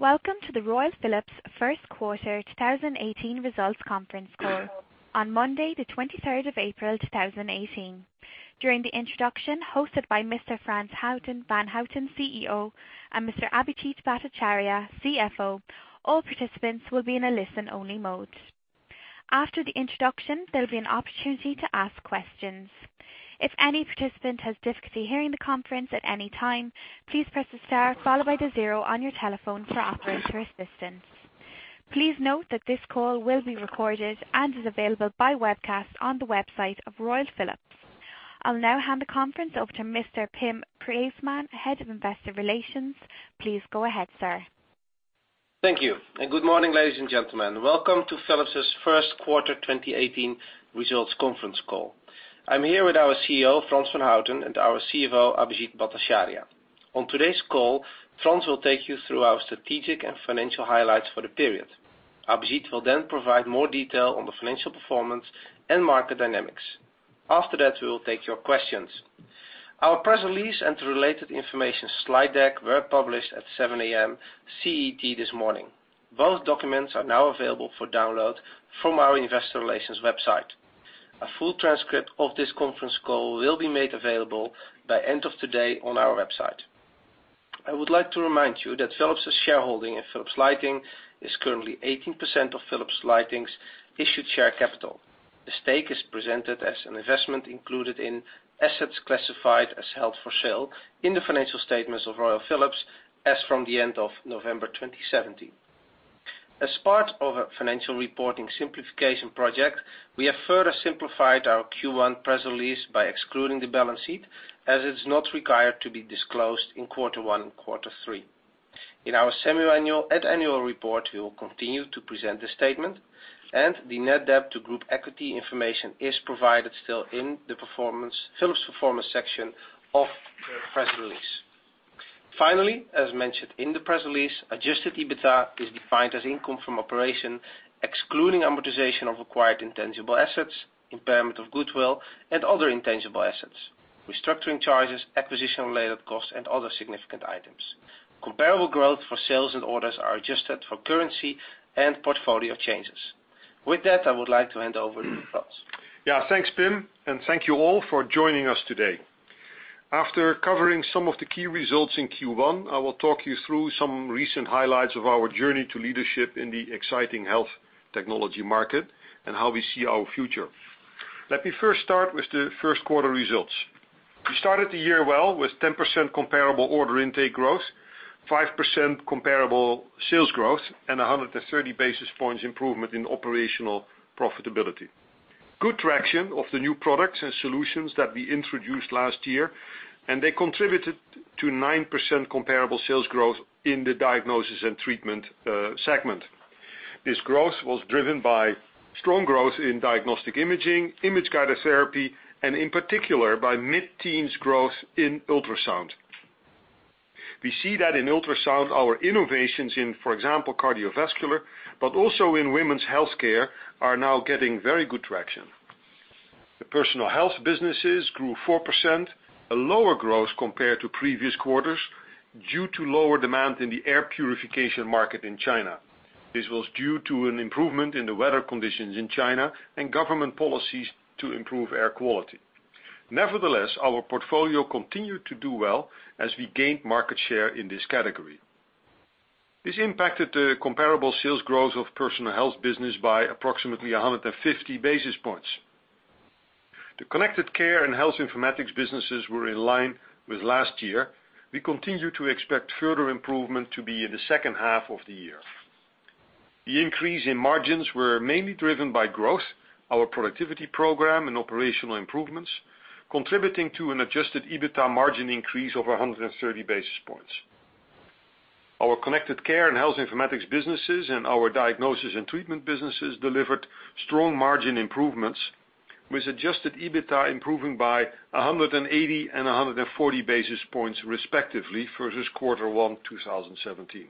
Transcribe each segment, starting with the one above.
Welcome to the Royal Philips first quarter 2018 results conference call on Monday, the 23rd of April, 2018. During the introduction, hosted by Mr. Frans van Houten, CEO, and Mr. Abhijit Bhattacharya, CFO, all participants will be in a listen only mode. After the introduction, there'll be an opportunity to ask questions. If any participant has difficulty hearing the conference at any time, please press the star followed by the zero on your telephone for operator assistance. Please note that this call will be recorded and is available by webcast on the website of Royal Philips. I'll now hand the conference over to Mr. Pim Preesman, Head of Investor Relations. Please go ahead, sir. Thank you. Good morning, ladies and gentlemen. Welcome to Philips' first quarter 2018 results conference call. I'm here with our CEO, Frans van Houten, and our CFO, Abhijit Bhattacharya. On today's call, Frans will take you through our strategic and financial highlights for the period. Abhijit will then provide more detail on the financial performance and market dynamics. After that, we will take your questions. Our press release and related information slide deck were published at 7:00 A.M. CET this morning. Both documents are now available for download from our investor relations website. A full transcript of this conference call will be made available by end of today on our website. I would like to remind you that Philips' shareholding in Philips Lighting is currently 18% of Philips Lighting's issued share capital. The stake is presented as an investment included in assets classified as held for sale in the financial statements of Royal Philips as from the end of November 2017. As part of a financial reporting simplification project, we have further simplified our Q1 press release by excluding the balance sheet, as it's not required to be disclosed in quarter one and quarter three. In our semi-annual and annual report, we will continue to present the statement, and the net debt to group equity information is provided still in the Philips performance section of the press release. Finally, as mentioned in the press release, Adjusted EBITDA is defined as income from operation, excluding amortization of acquired intangible assets, impairment of goodwill, and other intangible assets, restructuring charges, acquisition related costs, and other significant items. Comparable growth for sales and orders are adjusted for currency and portfolio changes. With that, I would like to hand over to Frans. Thanks, Pim, and thank you all for joining us today. After covering some of the key results in Q1, I will talk you through some recent highlights of our journey to leadership in the exciting health technology market and how we see our future. Let me first start with the first quarter results. We started the year well with 10% comparable order intake growth, 5% comparable sales growth, and 130 basis points improvement in operational profitability. Good traction of the new products and solutions that we introduced last year, and they contributed to 9% comparable sales growth in the Diagnosis and Treatment segment. This growth was driven by strong growth in Diagnostic Imaging, Image-Guided Therapy, and in particular, by mid-teens growth in ultrasound. We see that in ultrasound, our innovations in, for example, cardiovascular, but also in women's healthcare, are now getting very good traction. The Personal Health businesses grew 4%, a lower growth compared to previous quarters due to lower demand in the air purification market in China. This was due to an improvement in the weather conditions in China and government policies to improve air quality. Nevertheless, our portfolio continued to do well as we gained market share in this category. This impacted the comparable sales growth of Personal Health business by approximately 150 basis points. The Connected Care and Health Informatics businesses were in line with last year. We continue to expect further improvement to be in the second half of the year. The increase in margins were mainly driven by growth, our productivity program, and operational improvements, contributing to an Adjusted EBITDA margin increase of 130 basis points. Our Connected Care and Health Informatics businesses and our Diagnosis and Treatment businesses delivered strong margin improvements, with Adjusted EBITDA improving by 180 and 140 basis points respectively versus Q1 2017.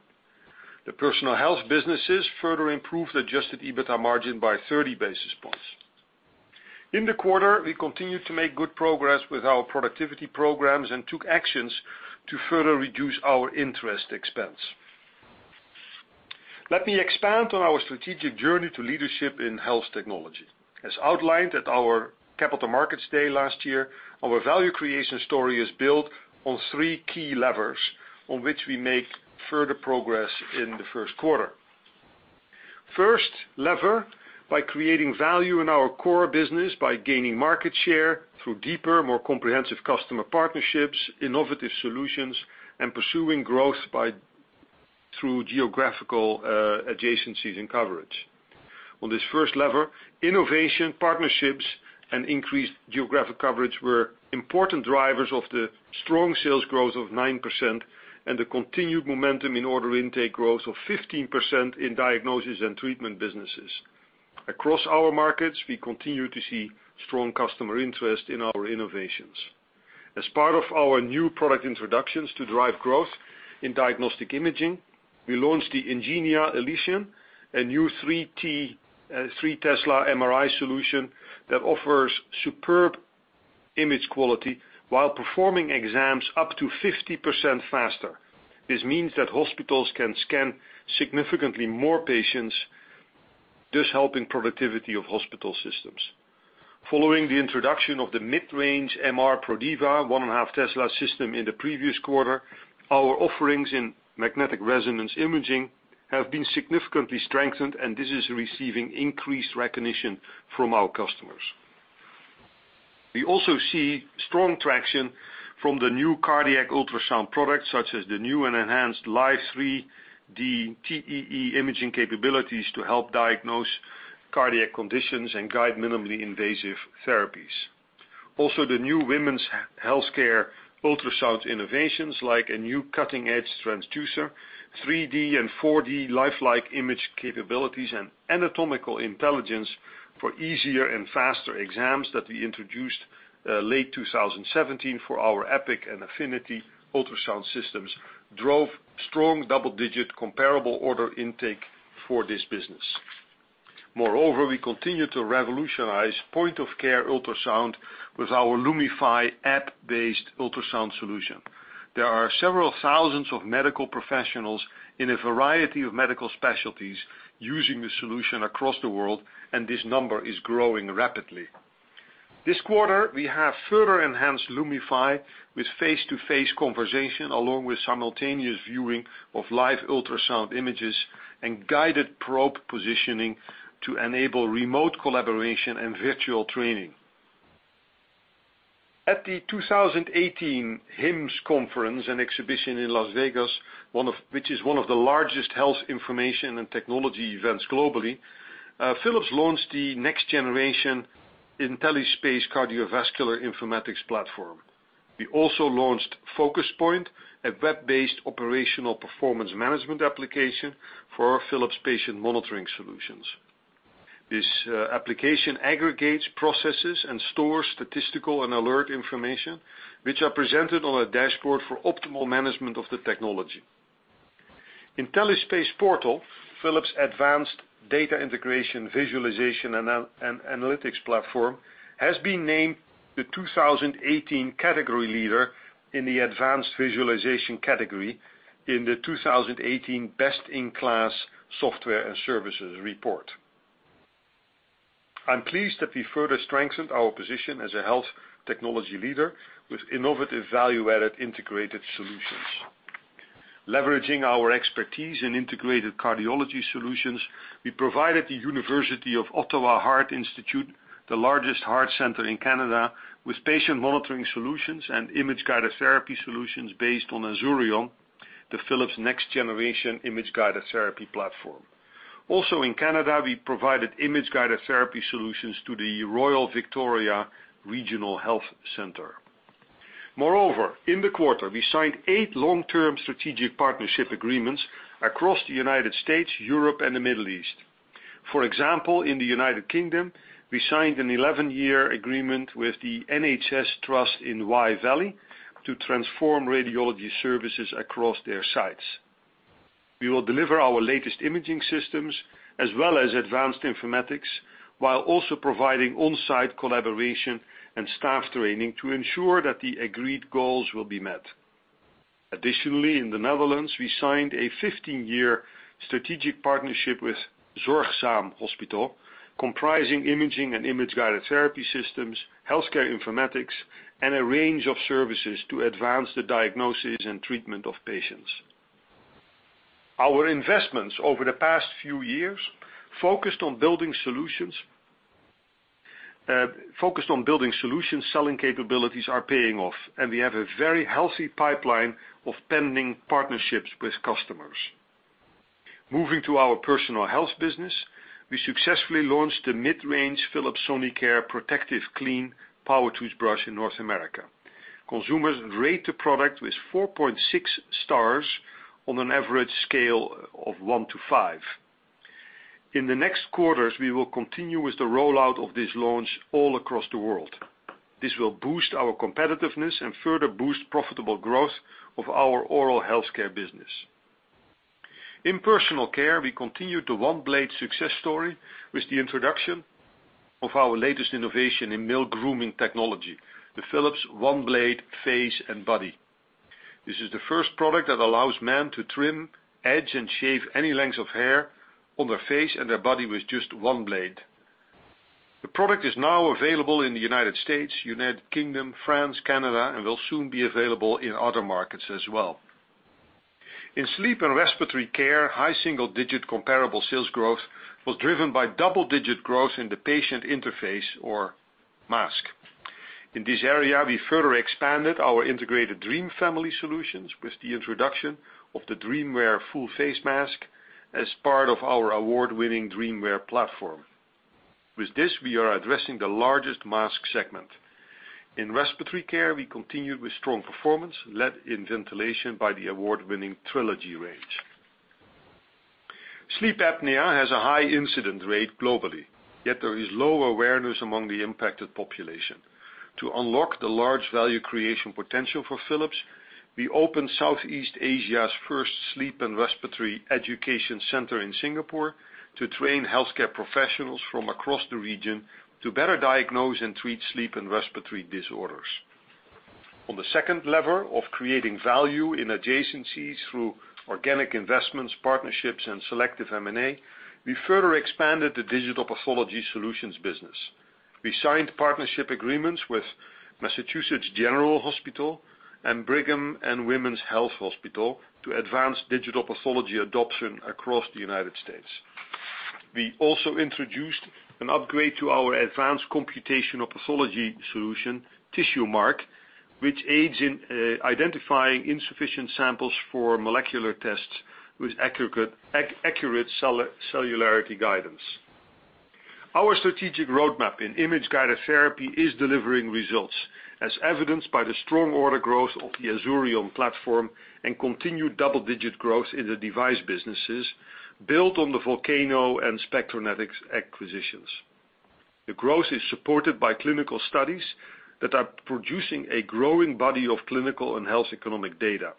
The Personal Health businesses further improved Adjusted EBITDA margin by 30 basis points. In the quarter, we continued to make good progress with our productivity programs and took actions to further reduce our interest expense. Let me expand on our strategic journey to leadership in health technology. As outlined at our Capital Markets Day last year, our value creation story is built on three key levers on which we make further progress in the first quarter. First lever, by creating value in our core business by gaining market share through deeper, more comprehensive customer partnerships, innovative solutions, and pursuing growth through geographical adjacencies and coverage. On this first lever, innovation, partnerships, and increased geographic coverage were important drivers of the strong sales growth of 9% and the continued momentum in order intake growth of 15% in Diagnosis and Treatment businesses. Across our markets, we continue to see strong customer interest in our innovations. As part of our new product introductions to drive growth in Diagnostic Imaging, we launched the Ingenia Elition, a new 3T, 3 Tesla MRI solution that offers superb image quality while performing exams up to 50% faster. This means that hospitals can scan significantly more patients, thus helping productivity of hospital systems. Following the introduction of the mid-range MR Prodiva, 1.5 Tesla system in the previous quarter, our offerings in Magnetic Resonance Imaging have been significantly strengthened, and this is receiving increased recognition from our customers. We also see strong traction from the new cardiac ultrasound products, such as the new and enhanced live 3D TEE imaging capabilities to help diagnose cardiac conditions and guide minimally invasive therapies. Also, the new women's healthcare ultrasound innovations, like a new cutting-edge transducer, 3D and 4D lifelike image capabilities, and anatomical intelligence for easier and faster exams that we introduced late 2017 for our EPIQ and Affiniti ultrasound systems, drove strong double-digit comparable order intake for this business. Moreover, we continue to revolutionize point-of-care ultrasound with our Lumify app-based ultrasound solution. There are several thousands of medical professionals in a variety of medical specialties using the solution across the world, and this number is growing rapidly. This quarter, we have further enhanced Lumify with face-to-face conversation, along with simultaneous viewing of live ultrasound images and guided probe positioning to enable remote collaboration and virtual training. At the 2018 HIMSS Conference and Exhibition in Las Vegas, which is one of the largest health information and technology events globally, Philips launched the next-generation IntelliSpace Cardiovascular informatics platform. We also launched FocusPoint, a web-based operational performance management application for our Philips patient monitoring solutions. This application aggregates, processes, and stores statistical and alert information, which are presented on a dashboard for optimal management of the technology. IntelliSpace Portal, Philips' advanced data integration visualization and analytics platform, has been named the 2018 category leader in the advanced visualization category in the 2018 Best in KLAS Software and Services Report. I'm pleased that we further strengthened our position as a health technology leader with innovative value-added integrated solutions. Leveraging our expertise in integrated cardiology solutions, we provided the University of Ottawa Heart Institute, the largest heart center in Canada, with patient monitoring solutions and image-guided therapy solutions based on Azurion, the Philips next-generation image-guided therapy platform. Also in Canada, we provided image-guided therapy solutions to the Royal Victoria Regional Health Centre. Moreover, in the quarter, we signed eight long-term strategic partnership agreements across the U.S., Europe, and the Middle East. For example, in the U.K., we signed an 11-year agreement with the Wye Valley NHS Trust to transform radiology services across their sites. We will deliver our latest imaging systems as well as advanced informatics, while also providing on-site collaboration and staff training to ensure that the agreed goals will be met. Additionally, in the Netherlands, we signed a 15-year strategic partnership with ZorgSaam hospital, comprising imaging and image-guided therapy systems, healthcare informatics, and a range of services to advance the diagnosis and treatment of patients. Our investments over the past few years focused on building solutions, selling capabilities are paying off, and we have a very healthy pipeline of pending partnerships with customers. Moving to our Personal Health business, we successfully launched the mid-range Philips Sonicare ProtectiveClean power toothbrush in North America. Consumers rate the product with 4.6 stars on an average scale of one to five. In the next quarters, we will continue with the rollout of this launch all across the world. This will boost our competitiveness and further boost profitable growth of our oral healthcare business. In personal care, we continue the OneBlade success story with the introduction of our latest innovation in male grooming technology, the Philips OneBlade Face + Body. This is the first product that allows men to trim, edge, and shave any length of hair on their face and their body with just one blade. The product is now available in the U.S., U.K., France, Canada, and will soon be available in other markets as well. In sleep and respiratory care, high single-digit comparable sales growth was driven by double-digit growth in the patient interface or mask. In this area, we further expanded our integrated Dream Family solutions with the introduction of the DreamWear full face mask as part of our award-winning DreamWear platform. With this, we are addressing the largest mask segment. In respiratory care, we continued with strong performance led in ventilation by the award-winning Trilogy range. Sleep apnea has a high incident rate globally, yet there is low awareness among the impacted population. To unlock the large value creation potential for Philips, we opened Southeast Asia's first sleep and respiratory education center in Singapore to train healthcare professionals from across the region to better diagnose and treat sleep and respiratory disorders. On the second lever of creating value in adjacencies through organic investments, partnerships, and selective M&A, we further expanded the digital pathology solutions business. We signed partnership agreements with Massachusetts General Hospital and Brigham and Women's Hospital to advance digital pathology adoption across the U.S. We also introduced an upgrade to our advanced computational pathology solution, TissueMark, which aids in identifying insufficient samples for molecular tests with accurate cellularity guidance. Our strategic roadmap in image-guided therapy is delivering results, as evidenced by the strong order growth of the Azurion platform and continued double-digit growth in the device businesses, built on the Volcano and Spectranetics acquisitions. The growth is supported by clinical studies that are producing a growing body of clinical and health economic data.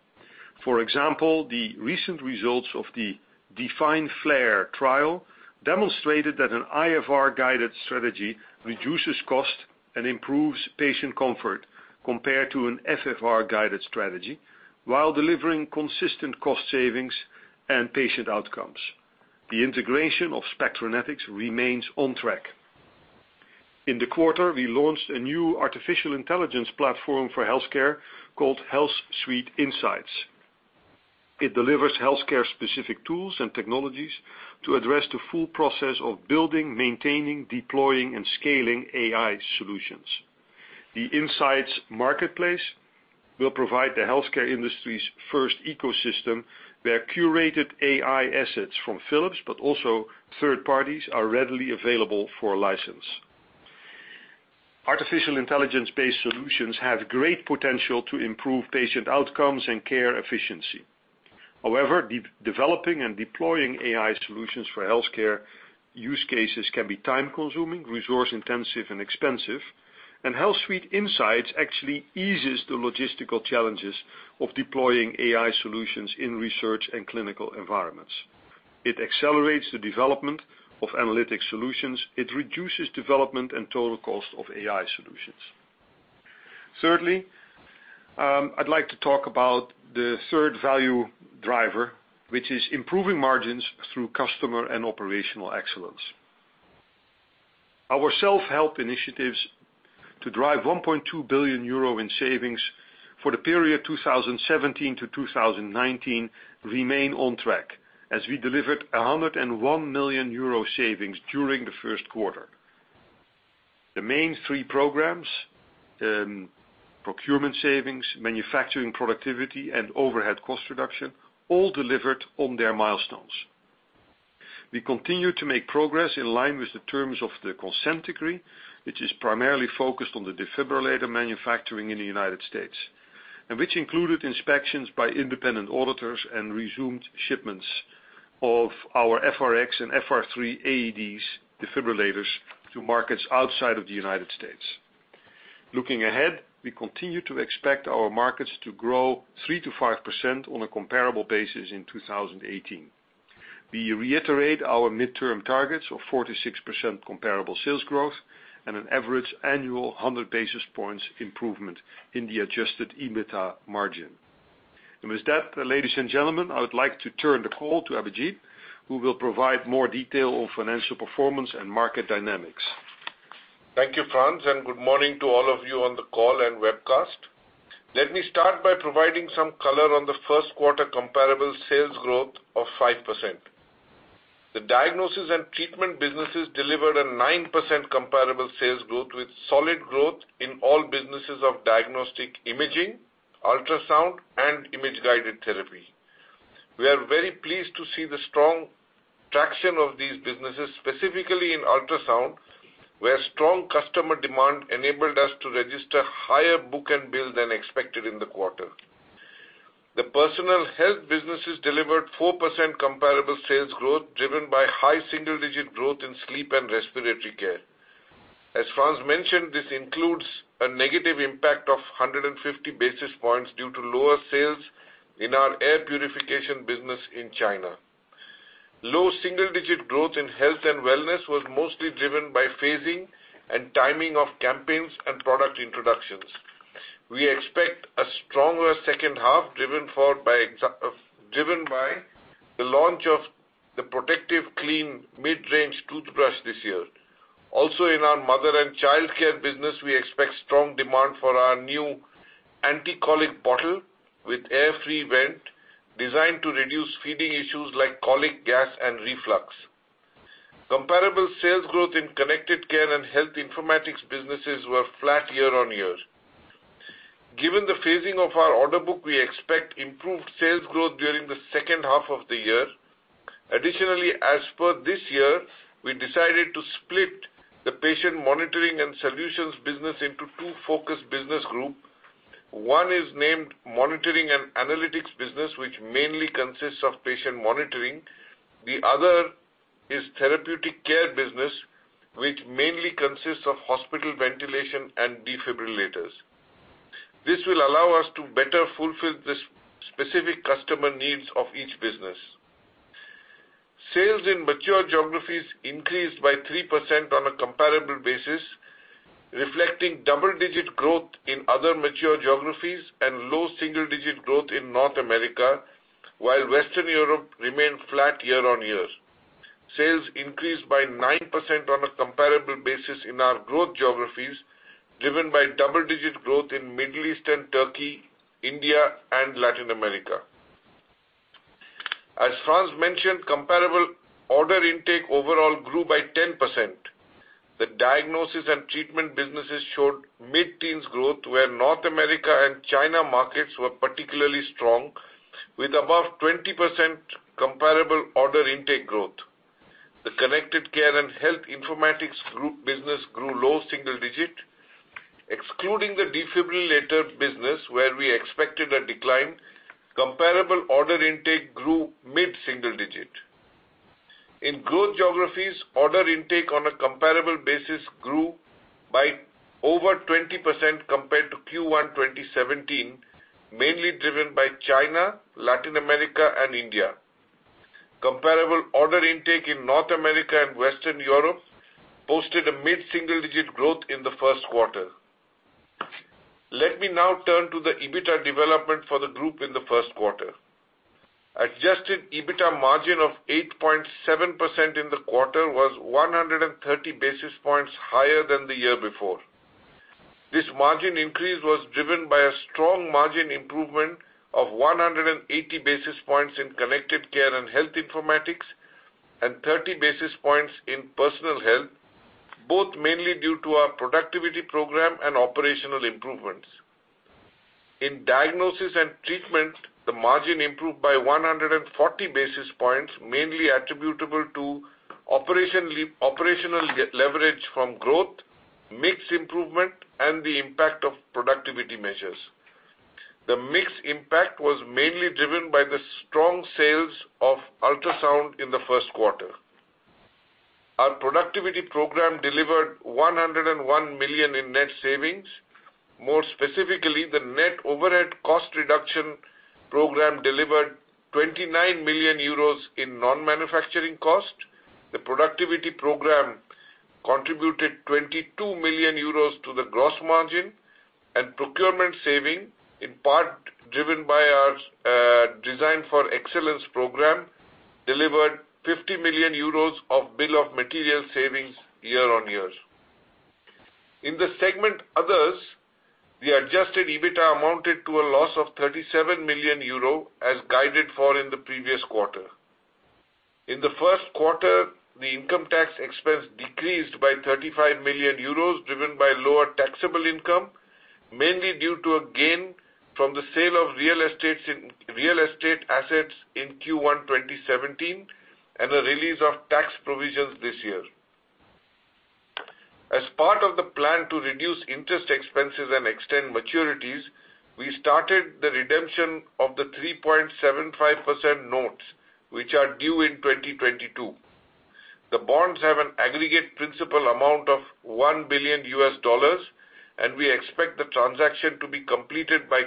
For example, the recent results of the DEFINE-FLAIR trial demonstrated that an iFR guided strategy reduces cost and improves patient comfort compared to an FFR guided strategy, while delivering consistent cost savings and patient outcomes. The integration of Spectranetics remains on track. In the quarter, we launched a new artificial intelligence platform for healthcare called HealthSuite Insights. It delivers healthcare-specific tools and technologies to address the full process of building, maintaining, deploying, and scaling AI solutions. The Insights marketplace will provide the healthcare industry's first ecosystem, where curated AI assets from Philips, but also third parties, are readily available for a license. Artificial intelligence-based solutions have great potential to improve patient outcomes and care efficiency. However, developing and deploying AI solutions for healthcare use cases can be time-consuming, resource intensive, and expensive. HealthSuite Insights actually eases the logistical challenges of deploying AI solutions in research and clinical environments. It accelerates the development of analytic solutions. It reduces development and total cost of AI solutions. Thirdly, I'd like to talk about the third value driver, which is improving margins through customer and operational excellence. Our self-help initiatives to drive 1.2 billion euro in savings for the period 2017 to 2019 remain on track, as we delivered 101 million euro savings during the first quarter. The main three programs, procurement savings, manufacturing productivity, and overhead cost reduction, all delivered on their milestones. We continue to make progress in line with the terms of the consent decree, which is primarily focused on the defibrillator manufacturing in the U.S., and which included inspections by independent auditors and resumed shipments of our FRx and FR3 AEDs defibrillators to markets outside of the U.S. Looking ahead, we continue to expect our markets to grow 3%-5% on a comparable basis in 2018. We reiterate our midterm targets of 46% comparable sales growth and an average annual 100 basis points improvement in the Adjusted EBITA margin. With that, ladies and gentlemen, I would like to turn the call to Abhijit, who will provide more detail on financial performance and market dynamics. Thank you, Frans, and good morning to all of you on the call and webcast. Let me start by providing some color on the first quarter comparable sales growth of 5%. The diagnosis and treatment businesses delivered a 9% comparable sales growth with solid growth in all businesses of diagnostic imaging, ultrasound, and image-guided therapy. We are very pleased to see the strong traction of these businesses, specifically in ultrasound, where strong customer demand enabled us to register higher book and build than expected in the quarter. The Personal Health businesses delivered 4% comparable sales growth, driven by high single-digit growth in sleep and respiratory care. As Frans mentioned, this includes a negative impact of 150 basis points due to lower sales in our air purification business in China. Low single-digit growth in health and wellness was mostly driven by phasing and timing of campaigns and product introductions. We expect a stronger second half driven by the launch of the ProtectiveClean mid-range toothbrush this year. Also, in our mother and childcare business, we expect strong demand for our new anti-colic bottle with air-free vent designed to reduce feeding issues like colic gas and reflux. Comparable sales growth in connected care and health informatics businesses were flat year-on-year. Given the phasing of our order book, we expect improved sales growth during the second half of the year. Additionally, as per this year, we decided to split the patient monitoring and solutions business into two focus business group. One is named Monitoring and Analytics business, which mainly consists of patient monitoring. The other is Therapeutic Care business, which mainly consists of hospital ventilation and defibrillators. This will allow us to better fulfill the specific customer needs of each business. Sales in mature geographies increased by 3% on a comparable basis, reflecting double-digit growth in other mature geographies and low single-digit growth in North America, while Western Europe remained flat year-on-year. Sales increased by 9% on a comparable basis in our growth geographies, driven by double-digit growth in Middle East and Turkey, India, and Latin America. As Frans mentioned, comparable order intake overall grew by 10%. The diagnosis and treatment businesses showed mid-teens growth, where North America and China markets were particularly strong, with above 20% comparable order intake growth. The Connected Care and Health Informatics business grew low single-digit. Excluding the defibrillator business, where we expected a decline, comparable order intake grew mid-single-digit. In growth geographies, order intake on a comparable basis grew by over 20% compared to Q1 2017, mainly driven by China, Latin America, and India. Comparable order intake in North America and Western Europe posted a mid-single-digit growth in the first quarter. Let me now turn to the EBITDA development for the group in the first quarter. Adjusted EBITDA margin of 8.7% in the quarter was 130 basis points higher than the year before. This margin increase was driven by a strong margin improvement of 180 basis points in Connected Care and Health Informatics and 30 basis points in Personal Health, both mainly due to our productivity program and operational improvements. In Diagnosis and Treatment, the margin improved by 140 basis points, mainly attributable to operational leverage from growth, mix improvement, and the impact of productivity measures. The mix impact was mainly driven by the strong sales of ultrasound in the first quarter. Our productivity program delivered 101 million in net savings. More specifically, the net overhead cost reduction program delivered 29 million euros in non-manufacturing cost. The productivity program contributed 22 million euros to the gross margin, and procurement saving, in part driven by our Design for Excellence program, delivered 50 million euros of bill of material savings year-on-year. In the segment Others, the Adjusted EBITDA amounted to a loss of 37 million euro as guided for in the previous quarter. In the first quarter, the income tax expense decreased by 35 million euros, driven by lower taxable income, mainly due to a gain from the sale of real estate assets in Q1 2017 and a release of tax provisions this year. As part of the plan to reduce interest expenses and extend maturities, we started the redemption of the 3.75% notes, which are due in 2022. The bonds have an aggregate principal amount of $1 billion, and we expect the transaction to be completed by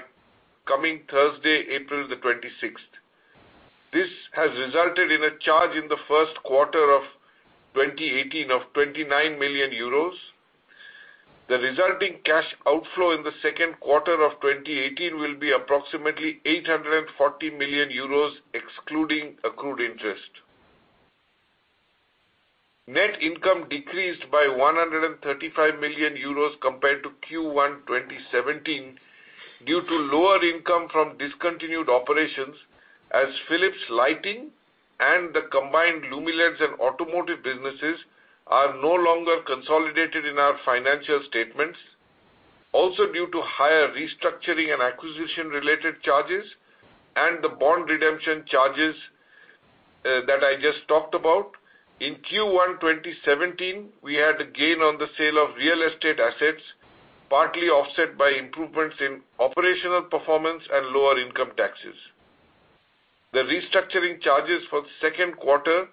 coming Thursday, April 26th. This has resulted in a charge in the first quarter of 2018 of 29 million euros. The resulting cash outflow in the second quarter of 2018 will be approximately 840 million euros, excluding accrued interest. Net income decreased by 135 million euros compared to Q1 2017 due to lower income from discontinued operations as Philips Lighting and the combined Lumileds and automotive businesses are no longer consolidated in our financial statements. Also, due to higher restructuring and acquisition-related charges and the bond redemption charges that I just talked about. In Q1 2017, we had a gain on the sale of real estate assets, partly offset by improvements in operational performance and lower income taxes. The restructuring charges for the first quarter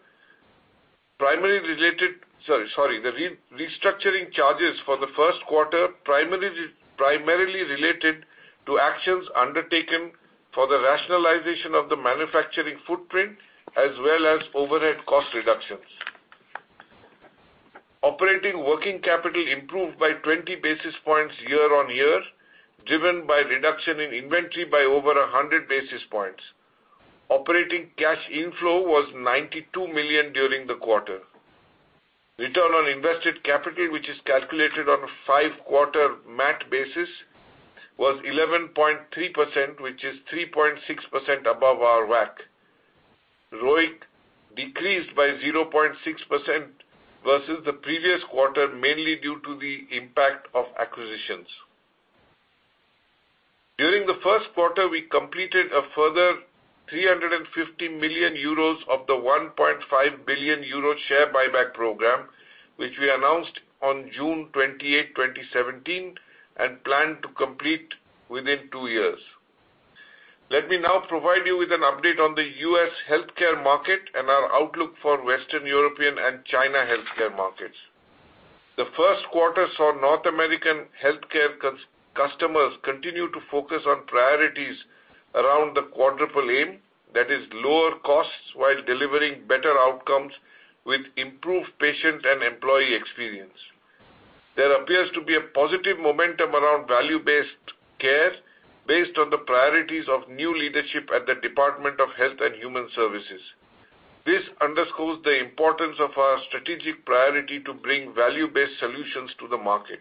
primarily related to actions undertaken for the rationalization of the manufacturing footprint, as well as overhead cost reductions. Operating working capital improved by 20 basis points year-on-year, driven by reduction in inventory by over 100 basis points. Operating cash inflow was 92 million during the quarter. Return on invested capital, which is calculated on a five-quarter MAT basis, was 11.3%, which is 3.6% above our WACC. ROIC decreased by 0.6% versus the previous quarter, mainly due to the impact of acquisitions. During the first quarter, we completed a further 350 million euros of the 1.5 billion euro share buyback program, which we announced on June 28, 2017, and plan to complete within two years. Let me now provide you with an update on the U.S. healthcare market and our outlook for Western European and China healthcare markets. The first quarter saw North American healthcare customers continue to focus on priorities around the quadruple aim. That is lower costs, while delivering better outcomes, with improved patient and employee experience. There appears to be a positive momentum around value-based care based on the priorities of new leadership at the Department of Health and Human Services. This underscores the importance of our strategic priority to bring value-based solutions to the market.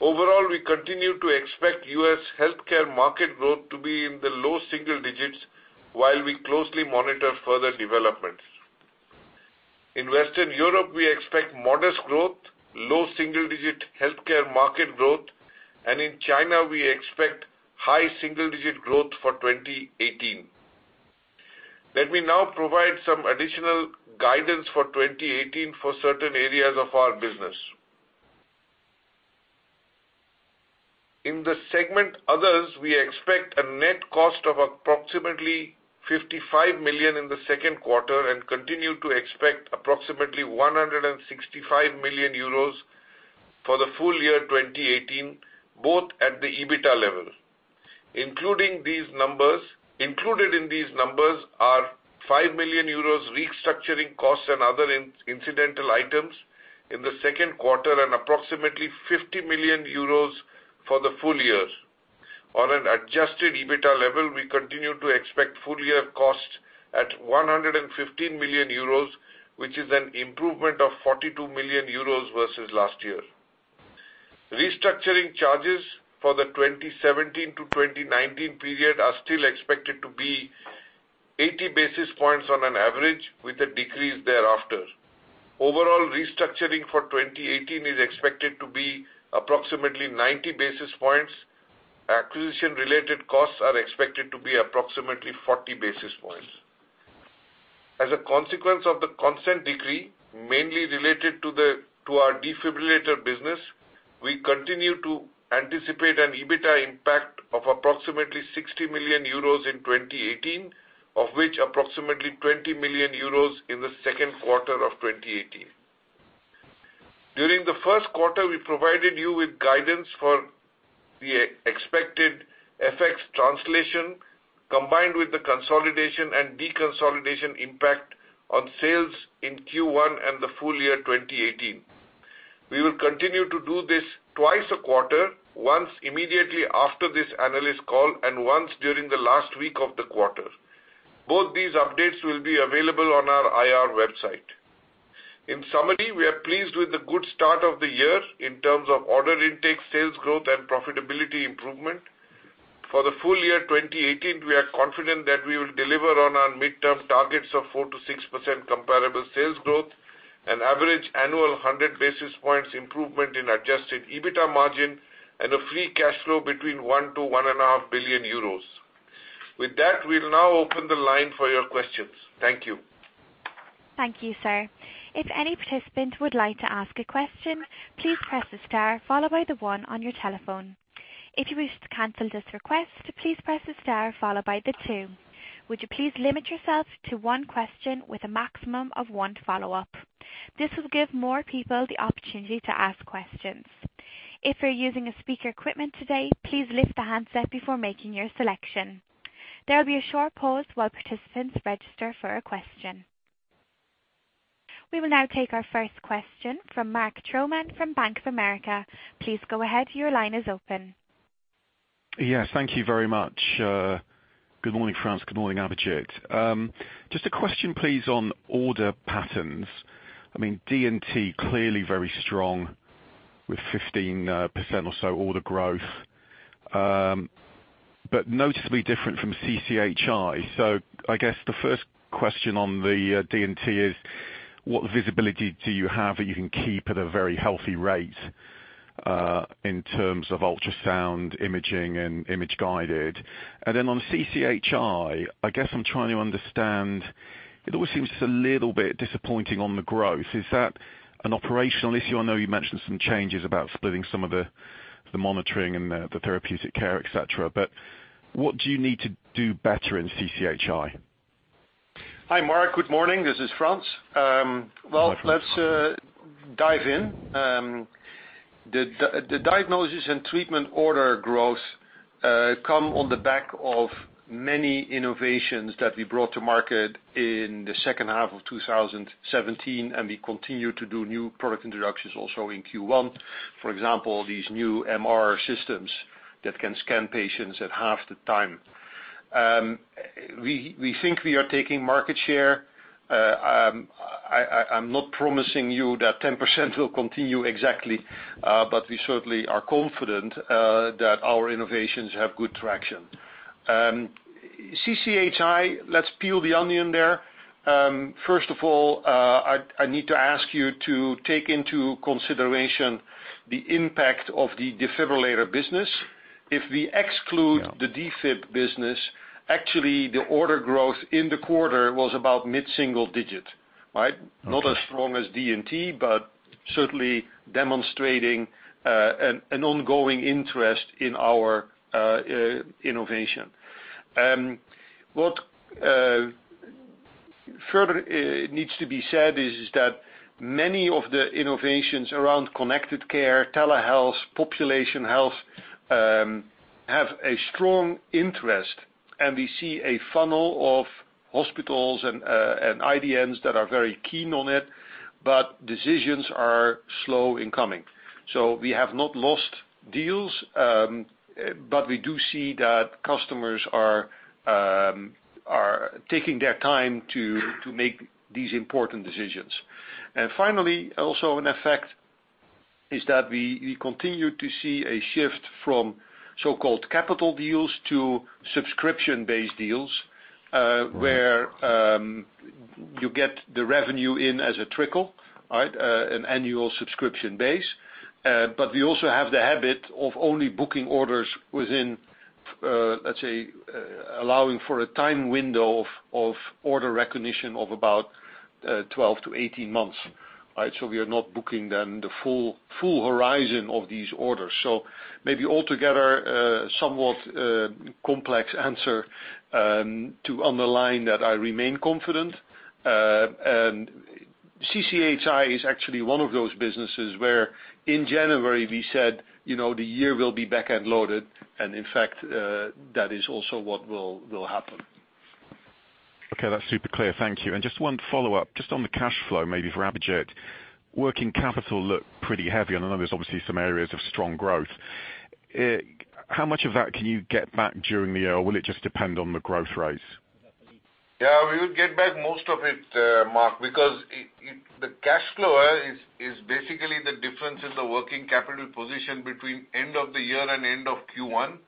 Overall, we continue to expect U.S. healthcare market growth to be in the low single digits while we closely monitor further developments. In Western Europe, we expect modest growth, low single-digit healthcare market growth, and in China, we expect high single-digit growth for 2018. Let me now provide some additional guidance for 2018 for certain areas of our business. In the segment others, we expect a net cost of approximately 55 million in the second quarter and continue to expect approximately 165 million euros for the full year 2018, both at the Adjusted EBITA level. Included in these numbers are 5 million euros restructuring costs and other incidental items in the second quarter and approximately 50 million euros for the full year. On an Adjusted EBITA level, we continue to expect full-year costs at 115 million euros, which is an improvement of 42 million euros versus last year. Restructuring charges for the 2017 to 2019 period are still expected to be 80 basis points on an average, with a decrease thereafter. Overall, restructuring for 2018 is expected to be approximately 90 basis points. Acquisition-related costs are expected to be approximately 40 basis points. As a consequence of the consent decree, mainly related to our defibrillator business, we continue to anticipate an EBITA impact of approximately 60 million euros in 2018, of which approximately 20 million euros in the second quarter of 2018. During the first quarter, we provided you with guidance for the expected FX translation, combined with the consolidation and deconsolidation impact on sales in Q1 and the full year 2018. We will continue to do this twice a quarter, once immediately after this analyst call and once during the last week of the quarter. Both these updates will be available on our IR website. In summary, we are pleased with the good start of the year in terms of order intake, sales growth, and profitability improvement. For the full year 2018, we are confident that we will deliver on our midterm targets of 4%-6% comparable sales growth, an average annual 100 basis points improvement in Adjusted EBITA margin, and a free cash flow between 1 billion euros to 1.5 billion euros. With that, we'll now open the line for your questions. Thank you. Thank you, sir. If any participant would like to ask a question, please press the star followed by the one on your telephone. If you wish to cancel this request, please press the star followed by the two. Would you please limit yourself to one question with a maximum of one follow-up? This will give more people the opportunity to ask questions. If you're using speaker equipment today, please lift the handset before making your selection. There will be a short pause while participants register for a question. We will now take our first question from Mark Troman from Bank of America. Please go ahead. Your line is open. Thank you very much. Good morning, Frans. Good morning, Abhijit. Just a question, please, on order patterns. I mean, D&T clearly very strong with 15% or so order growth. Noticeably different from CCHI. I guess the first question on the D&T is what visibility do you have that you can keep at a very healthy rate, in terms of ultrasound imaging and image-guided? On CCHI, I guess I'm trying to understand, it always seems just a little bit disappointing on the growth. Is that an operational issue? I know you mentioned some changes about splitting some of the Monitoring and Analytics and the Therapeutic Care, et cetera. What do you need to do better in CCHI? Hi, Mark. Good morning. This is Frans. Morning. Let's dive in. The Diagnosis and Treatment order growth come on the back of many innovations that we brought to market in the second half of 2017, and we continue to do new product introductions also in Q1. For example, these new MR systems that can scan patients at half the time. We think we are taking market share. I'm not promising you that 10% will continue exactly, but we certainly are confident that our innovations have good traction. CCHI, let's peel the onion there. First of all, I need to ask you to take into consideration the impact of the defibrillator business. If we exclude- Yeah the defib business, actually, the order growth in the quarter was about mid-single digit. Not as strong as D&T, but certainly demonstrating an ongoing interest in our innovation. What further needs to be said is that many of the innovations around connected care, telehealth, population health, have a strong interest, and we see a funnel of hospitals and IDNs that are very keen on it, but decisions are slow in coming. We have not lost deals, but we do see that customers are taking their time to make these important decisions. Finally, also an effect is that we continue to see a shift from so-called capital deals to subscription-based deals, where you get the revenue in as a trickle, an annual subscription base. We also have the habit of only booking orders within, let's say, allowing for a time window of order recognition of about 12 to 18 months. We are not booking then the full horizon of these orders. Maybe altogether, a somewhat complex answer to underline that I remain confident. CCHI is actually one of those businesses where, in January, we said, the year will be back-end loaded, and in fact, that is also what will happen. Okay. That's super clear. Thank you. Just one follow-up, just on the cash flow, maybe for Abhijit. Working capital looked pretty heavy. I know there's actually some areas of strong growth. How much of that can you get back during the year, or will it just depend on the growth rates? Yeah, we would get back most of it, Mark, because the cash flow is basically the difference in the working capital position between end of the year and end of Q1.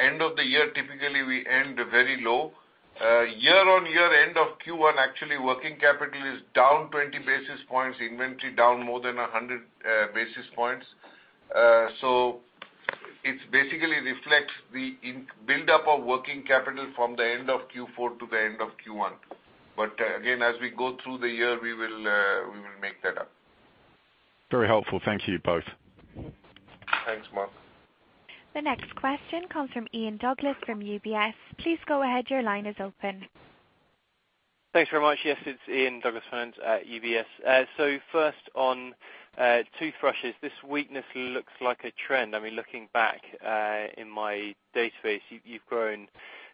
End of the year, typically, we end very low. Year-on-year, end of Q1, actually, working capital is down 20 basis points, inventory down more than 100 basis points. It basically reflects the buildup of working capital from the end of Q4 to the end of Q1. Again, as we go through the year, we will make that up. Very helpful. Thank you both. Thanks, Mark. The next question comes from Ian Douglas-Pennant from UBS. Please go ahead. Your line is open. Thanks very much. Yes, it's Ian Douglas-Pennant at UBS. First on toothbrushes. This weakness looks like a trend. Looking back in my database, you've grown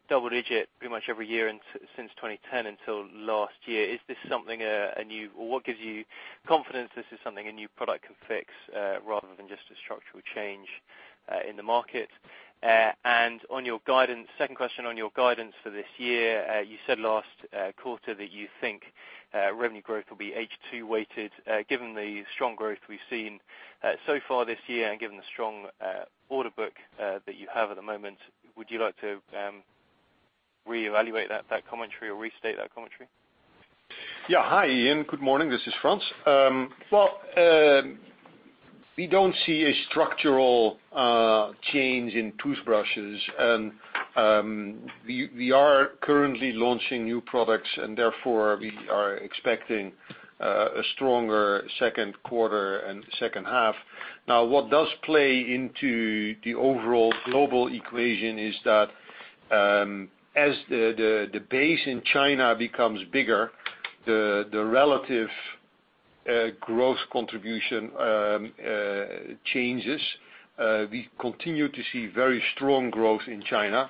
double-digit pretty much every year since 2010 until last year. Is this something new, or what gives you confidence this is something a new product can fix rather than just a structural change in the market? Second question on your guidance for this year. You said last quarter that you think revenue growth will be H2 weighted. Given the strong growth we've seen so far this year and given the strong order book that you have at the moment, would you like to reevaluate that commentary or restate that commentary? Hi, Ian. Good morning. This is Frans. We don't see a structural change in toothbrushes. We are currently launching new products and therefore we are expecting a stronger second quarter and second half. What does play into the overall global equation is that as the base in China becomes bigger, the relative growth contribution changes. We continue to see very strong growth in China,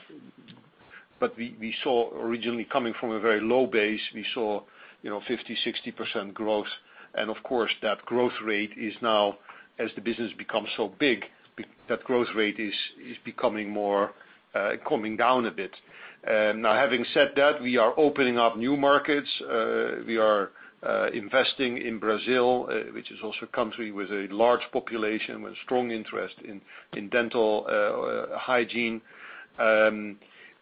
but we saw originally coming from a very low base, we saw 50%-60% growth. That growth rate is now, as the business becomes so big, that growth rate is calming down a bit. Having said that, we are opening up new markets. We are investing in Brazil, which is also a country with a large population, with strong interest in dental hygiene.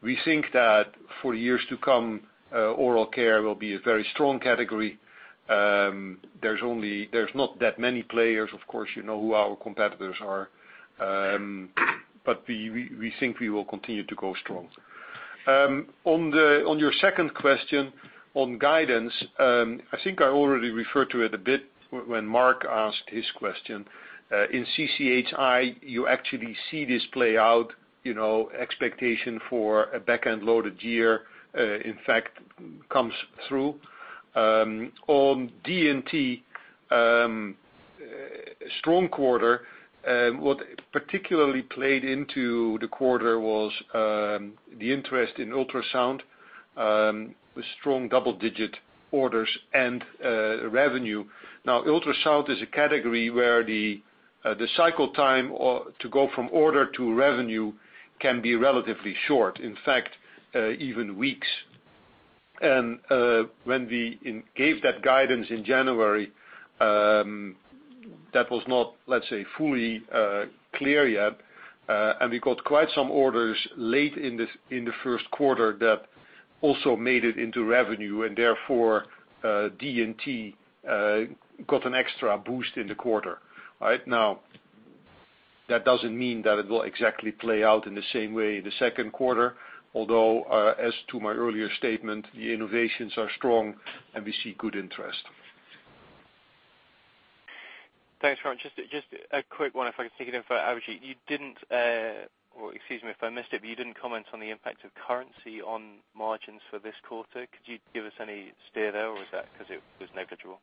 We think that for years to come, oral care will be a very strong category. There's not that many players, of course you know who our competitors are, but we think we will continue to go strong. On your second question on guidance, I think I already referred to it a bit when Mark asked his question. In CCHI, you actually see this play out, expectation for a back-end loaded year, in fact, comes through. On D&T, strong quarter. What particularly played into the quarter was the interest in ultrasound, with strong double-digit orders and revenue. Ultrasound is a category where the cycle time to go from order to revenue can be relatively short. In fact, even weeks. When we gave that guidance in January. That was not, let's say, fully clear yet. We got quite some orders late in the first quarter that also made it into revenue and therefore, D&T got an extra boost in the quarter. That doesn't mean that it will exactly play out in the same way in the second quarter, although, as to my earlier statement, the innovations are strong and we see good interest. Thanks, Frans. Just a quick one if I could sneak it in for Abhijit. You didn't, or excuse me if I missed it, but you didn't comment on the impact of currency on margins for this quarter. Could you give us any steer there, or was that because it was negligible?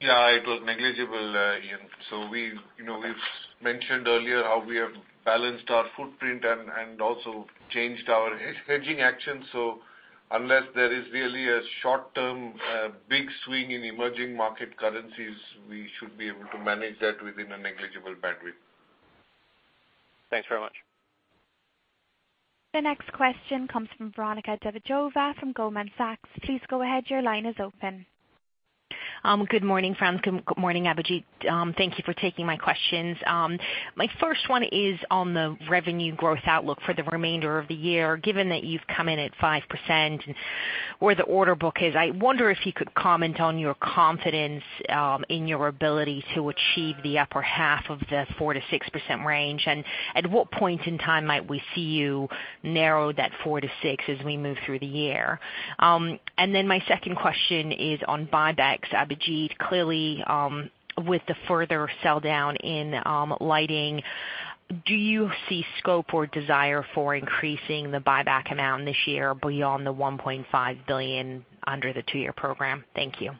Yeah, it was negligible, Ian. We've mentioned earlier how we have balanced our footprint and also changed our hedging actions. Unless there is really a short-term, big swing in emerging market currencies, we should be able to manage that within a negligible bandwidth. Thanks very much. The next question comes from Veronika Dubajova from Goldman Sachs. Please go ahead, your line is open. Good morning, Frans. Good morning, Abhijit. Thank you for taking my questions. My first one is on the revenue growth outlook for the remainder of the year. Given that you've come in at 5% and where the order book is, I wonder if you could comment on your confidence in your ability to achieve the upper half of the 4%-6% range. At what point in time might we see you narrow that 4%-6% as we move through the year? My second question is on buybacks. Abhijit, clearly, with the further sell down in lighting, do you see scope or desire for increasing the buyback amount this year beyond the 1.5 billion under the two-year program? Thank you.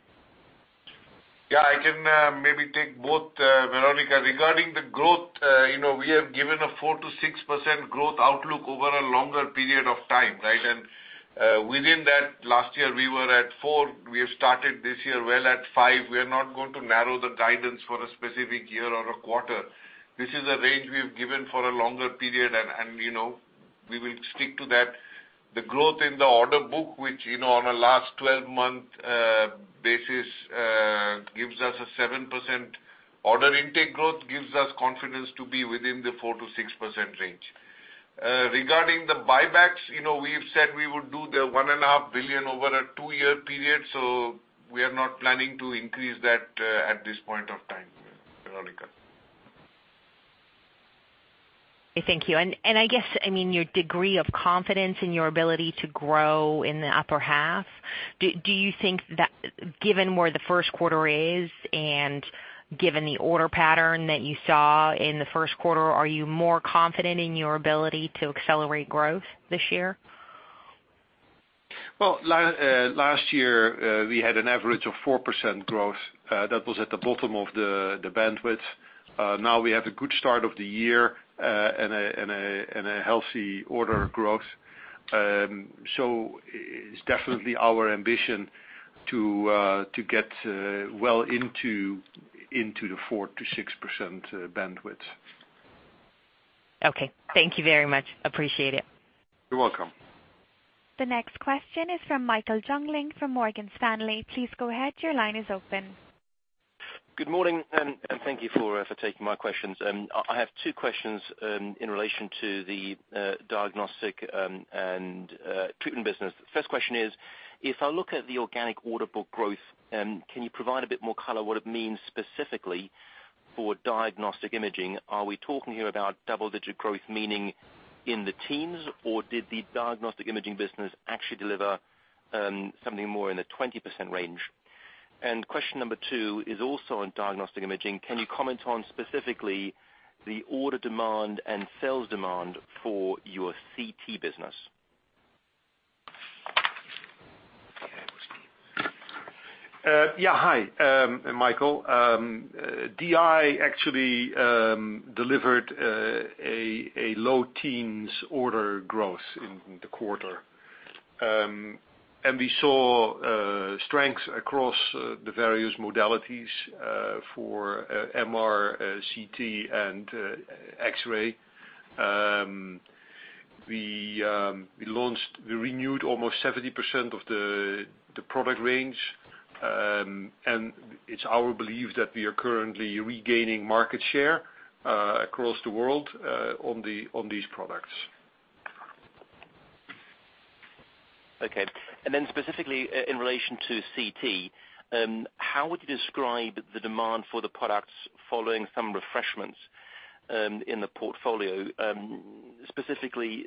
Yeah, I can maybe take both, Veronika. Regarding the growth, we have given a 4%-6% growth outlook over a longer period of time. Within that, last year, we were at 4%. We have started this year well at 5%. We are not going to narrow the guidance for a specific year or a quarter. This is a range we have given for a longer period, and we will stick to that. The growth in the order book, which on a last 12-month basis gives us a 7% order intake growth, gives us confidence to be within the 4%-6% range. Regarding the buybacks, we have said we would do the 1.5 billion over a two-year period, we are not planning to increase that at this point of time, Veronika. Thank you. I guess your degree of confidence in your ability to grow in the upper half, do you think that given where the first quarter is and given the order pattern that you saw in the first quarter, are you more confident in your ability to accelerate growth this year? Last year, we had an average of 4% growth. That was at the bottom of the bandwidth. Now we have a good start of the year and a healthy order growth. It's definitely our ambition to get well into the 4%-6% bandwidth. Okay. Thank you very much. Appreciate it. You're welcome. The next question is from Michael Jüngling from Morgan Stanley. Please go ahead, your line is open. Good morning, thank you for taking my questions. I have two questions in relation to the diagnostic and treatment business. First question is, if I look at the organic order book growth, can you provide a bit more color what it means specifically for diagnostic imaging? Are we talking here about double-digit growth, meaning in the teens, or did the diagnostic imaging business actually deliver something more in the 20% range? Question number two is also on diagnostic imaging. Can you comment on specifically the order demand and sales demand for your CT business? Yeah. Hi, Michael. DI actually delivered a low teens order growth in the quarter. We saw strengths across the various modalities for MR, CT, and X-ray. We renewed almost 70% of the product range, it's our belief that we are currently regaining market share across the world on these products. Okay. Specifically in relation to CT, how would you describe the demand for the products following some refreshments in the portfolio? Specifically,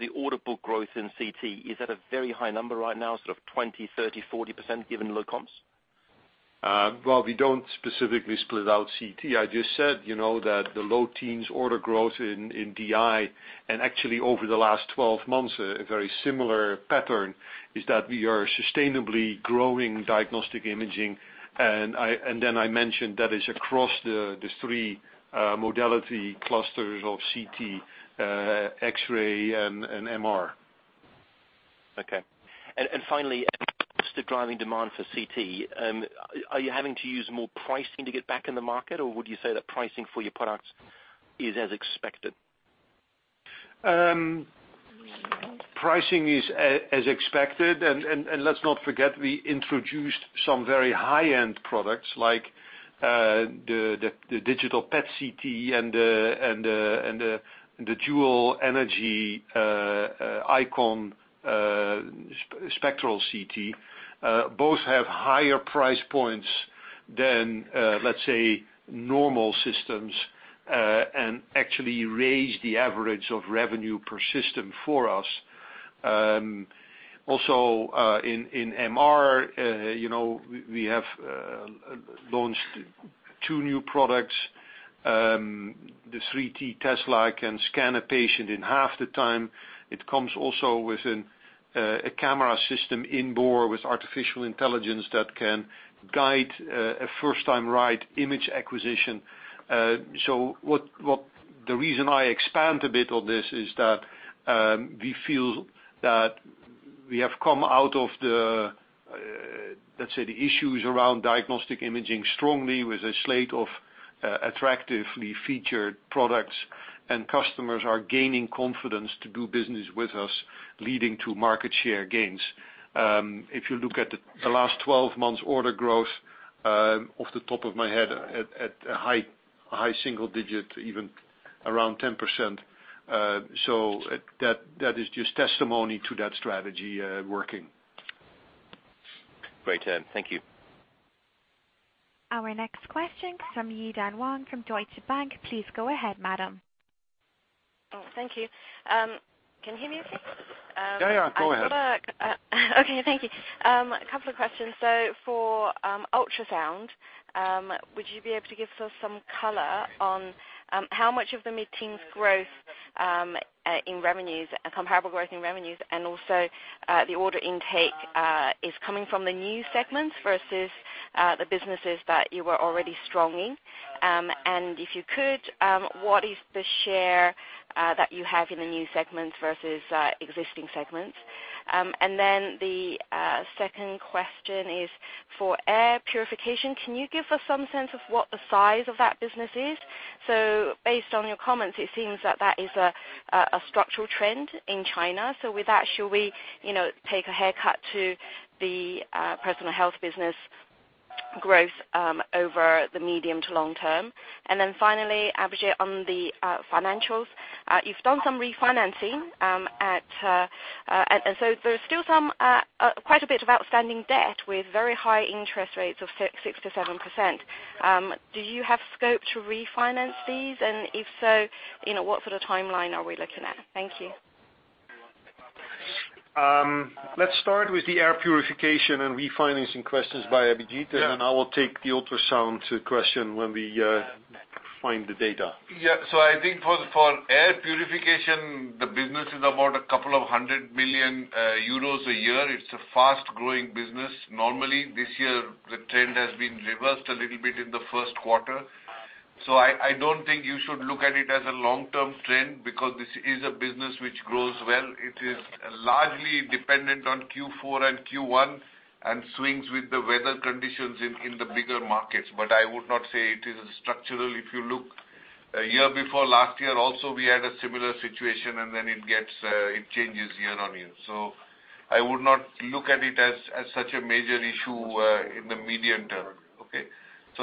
the order book growth in CT, is that a very high number right now, sort of 20%, 30%, 40% given the low comps? Well, we don't specifically split out CT. I just said that the low teens order growth in DI, actually over the last 12 months, a very similar pattern is that we are sustainably growing diagnostic imaging. I mentioned that is across the three modality clusters of CT, X-ray, and MR. Okay. Finally, driving demand for CT. Are you having to use more pricing to get back in the market, or would you say that pricing for your products is as expected? Pricing is as expected. Let's not forget, we introduced some very high-end products, like the digital PET/CT and the dual energy IQon Spectral CT. Both have higher price points than, let's say, normal systems, actually raise the average of revenue per system for us. Also, in MR, we have launched two new products. The 3T Tesla can scan a patient in half the time. It comes also with a camera system in bore with artificial intelligence that can guide a first-time right image acquisition. The reason I expand a bit on this is that we feel that we have come out of the, let's say, the issues around diagnostic imaging strongly with a slate of attractively featured products, customers are gaining confidence to do business with us, leading to market share gains. If you look at the last 12 months order growth, off the top of my head, at high single digit, even around 10%. That is just testimony to that strategy working. Great. Thank you. Our next question comes from Yi-Dan Wang from Deutsche Bank. Please go ahead, madam. Thank you. Can you hear me okay? Yeah. Go ahead. Okay, thank you. Couple of questions. For ultrasound, would you be able to give us some color on how much of the mid-teen growth in revenues, comparable growth in revenues, and also the order intake, is coming from the new segments versus the businesses that you were already strong in? If you could, what is the share that you have in the new segments versus existing segments? The second question is for air purification. Can you give us some sense of what the size of that business is? Based on your comments, it seems that that is a structural trend in China. With that, should we take a haircut to the Personal Health business growth over the medium to long term? Finally, Abhijit, on the financials, you've done some refinancing. There's still quite a bit of outstanding debt with very high interest rates of 6%-7%. Do you have scope to refinance these? If so, what sort of timeline are we looking at? Thank you. Let's start with the air purification and refinancing questions by Abhijit. Yeah. I will take the ultrasound question when we find the data. I think for air purification, the business is about a couple of hundred million EUR a year. It's a fast-growing business. Normally, this year, the trend has been reversed a little bit in the first quarter. I don't think you should look at it as a long-term trend, because this is a business which grows well. It is largely dependent on Q4 and Q1 and swings with the weather conditions in the bigger markets. I would not say it is structural. If you look a year before last year also, we had a similar situation, then it changes year on year. I would not look at it as such a major issue in the medium term. Okay?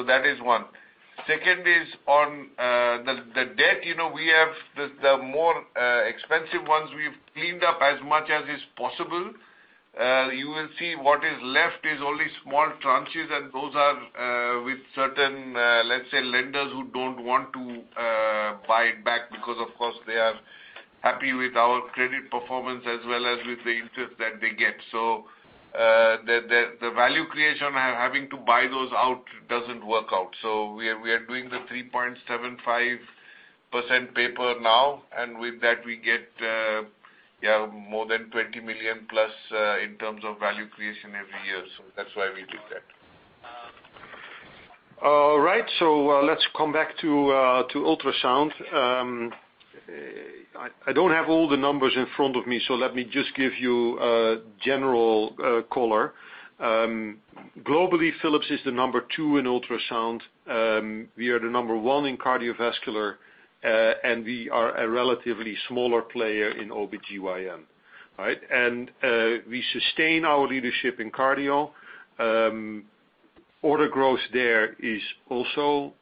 That is one. Second is on the debt. The more expensive ones, we've cleaned up as much as is possible. You will see what is left is only small tranches, and those are with certain, let's say, lenders who don't want to buy it back because, of course, they are happy with our credit performance as well as with the interest that they get. The value creation having to buy those out doesn't work out. We are doing the 3.75% paper now, and with that we get more than 20 million plus in terms of value creation every year. That's why we did that. Let's come back to ultrasound. I don't have all the numbers in front of me, let me just give you a general color. Globally, Philips is the number 2 in ultrasound. We are the number 1 in cardiovascular, and we are a relatively smaller player in OBGYN, right? We sustain our leadership in cardio. Order growth there is also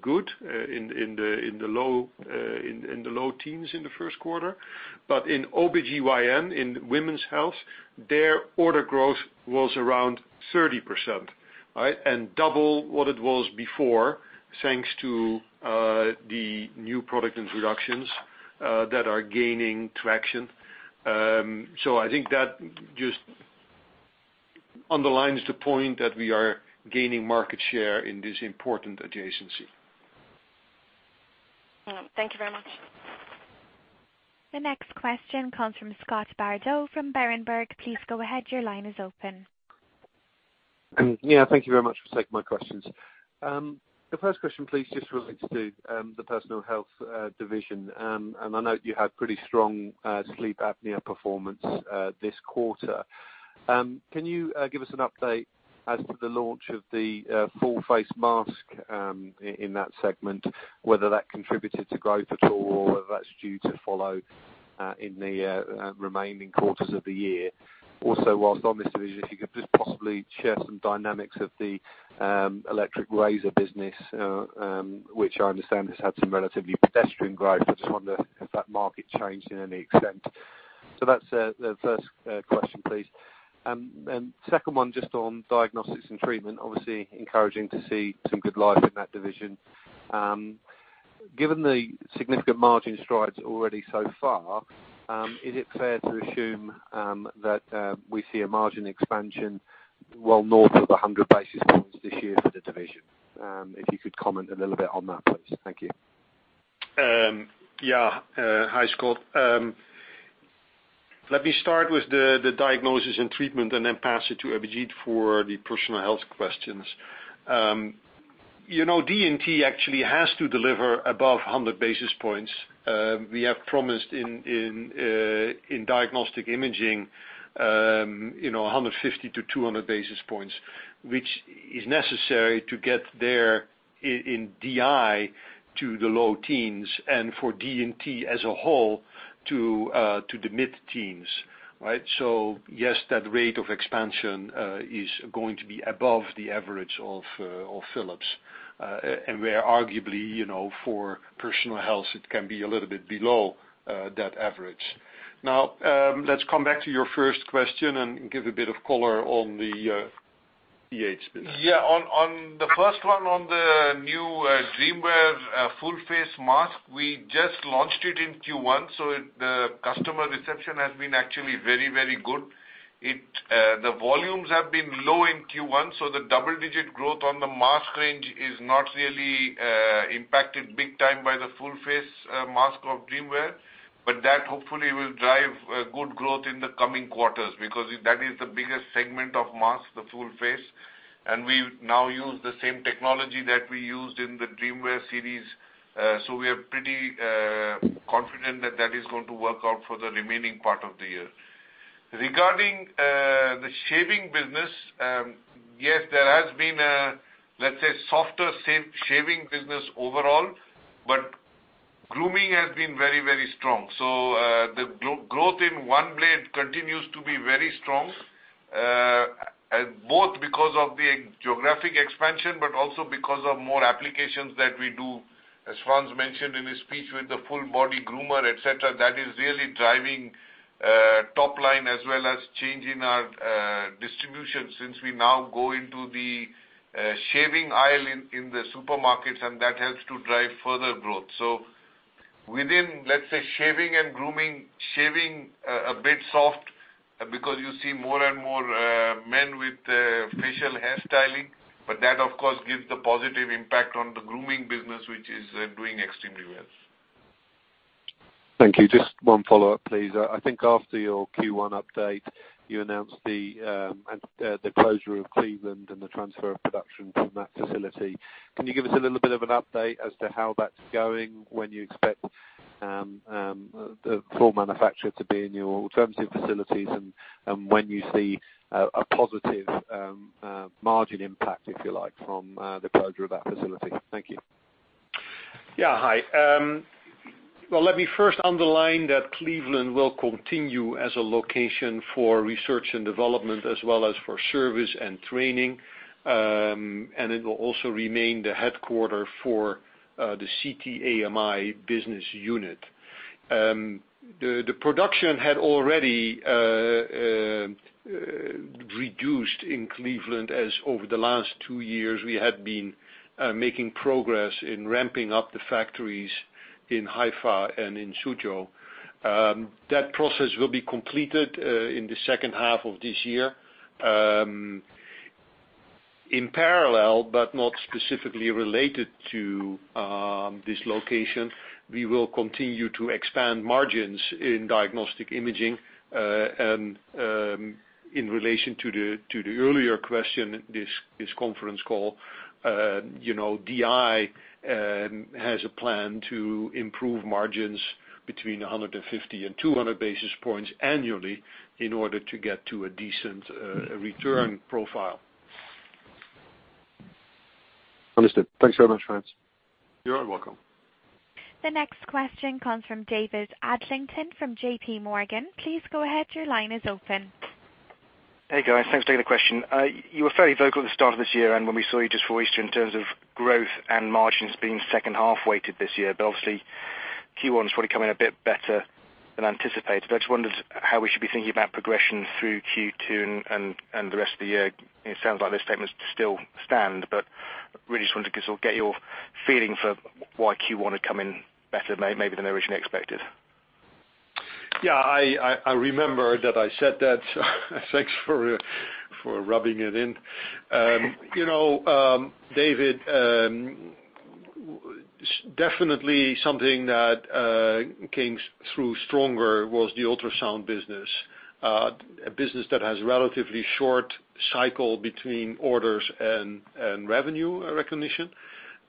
good in the low teens in the first quarter. In OBGYN, in women's health, their order growth was around 30%, right, and double what it was before, thanks to the new product introductions that are gaining traction. I think that just underlines the point that we are gaining market share in this important adjacency. Thank you very much. The next question comes from Scott Bardo from Berenberg. Please go ahead. Your line is open. Thank you very much for taking my questions. The first question, please, just relates to the Personal Health business. I note you had pretty strong Sleep apnea performance this quarter. Can you give us an update as to the launch of the full face mask in that segment, whether that contributed to growth at all or whether that's due to follow in the remaining quarters of the year? Also, whilst on this division, if you could just possibly share some dynamics of the electric razor business, which I understand has had some relatively pedestrian growth. I just wonder, has that market changed in any extent? So that's the first question, please. Second one, just on diagnostics and treatment. Obviously, encouraging to see some good life in that division. Given the significant margin strides already so far, is it fair to assume that we see a margin expansion well north of 100 basis points this year for the division? If you could comment a little bit on that, please. Thank you. Yeah. Hi, Scott. Let me start with the Diagnosis and Treatment and then pass it to Abhijit for the Personal Health questions. D&T actually has to deliver above 100 basis points. We have promised in Diagnostic Imaging, 150 to 200 basis points, which is necessary to get there in DI to the low teens, and for D&T as a whole to the mid-teens. Right? Yes, that rate of expansion is going to be above the average of Philips. Where arguably, for Personal Health, it can be a little bit below that average. Let's come back to your first question and give a bit of color on the PH business. Yeah. On the first one, on the new DreamWear full face mask, we just launched it in Q1, the customer reception has been actually very good. The volumes have been low in Q1, the double-digit growth on the mask range is not really impacted big time by the full face mask of DreamWear. That hopefully will drive good growth in the coming quarters, because that is the biggest segment of mask, the full face. We now use the same technology that we used in the DreamWear series. We are pretty confident that that is going to work out for the remaining part of the year. Regarding the shaving business, yes, there has been a, let's say, softer shaving business overall. Grooming has been very strong. The growth in OneBlade continues to be very strong, both because of the geographic expansion, but also because of more applications that we do, as Frans mentioned in his speech, with the full body groomer, et cetera. That is really driving top line as well as changing our distribution, since we now go into the shaving aisle in the supermarkets, that helps to drive further growth. Within, let's say, shaving and grooming, shaving a bit soft because you see more and more men with facial hair styling, that, of course, gives the positive impact on the grooming business, which is doing extremely well. Thank you. Just one follow-up, please. I think after your Q1 update, you announced the closure of Cleveland and the transfer of production from that facility. Can you give us a little bit of an update as to how that's going, when you expect the full manufacture to be in your alternative facilities, and when you see a positive margin impact, if you like, from the closure of that facility? Thank you. Well, let me first underline that Cleveland will continue as a location for research and development as well as for service and training. It will also remain the headquarters for the CT/AMI business unit. The production had already reduced in Cleveland, as over the last two years, we had been making progress in ramping up the factories in Haifa and in Suzhou. That process will be completed in the second half of this year. In parallel, but not specifically related to this location, we will continue to expand margins in diagnostic imaging. In relation to the earlier question this conference call, DI has a plan to improve margins between 150 and 200 basis points annually in order to get to a decent return profile. Understood. Thanks very much, Frans. You are welcome. The next question comes from David Adlington from JPMorgan. Please go ahead, your line is open. Hey, guys. Thanks for taking the question. You were fairly vocal at the start of this year and when we saw you just for Easter in terms of growth and margins being second half weighted this year. Obviously Q1's probably come in a bit better than anticipated. I just wondered how we should be thinking about progression through Q2 and the rest of the year. It sounds like those statements still stand. Really just wanted to get your feeling for why Q1 had come in better maybe than originally expected. Yeah. I remember that I said that. Thanks for rubbing it in. David, definitely something that came through stronger was the ultrasound business. A business that has relatively short cycle between orders and revenue recognition.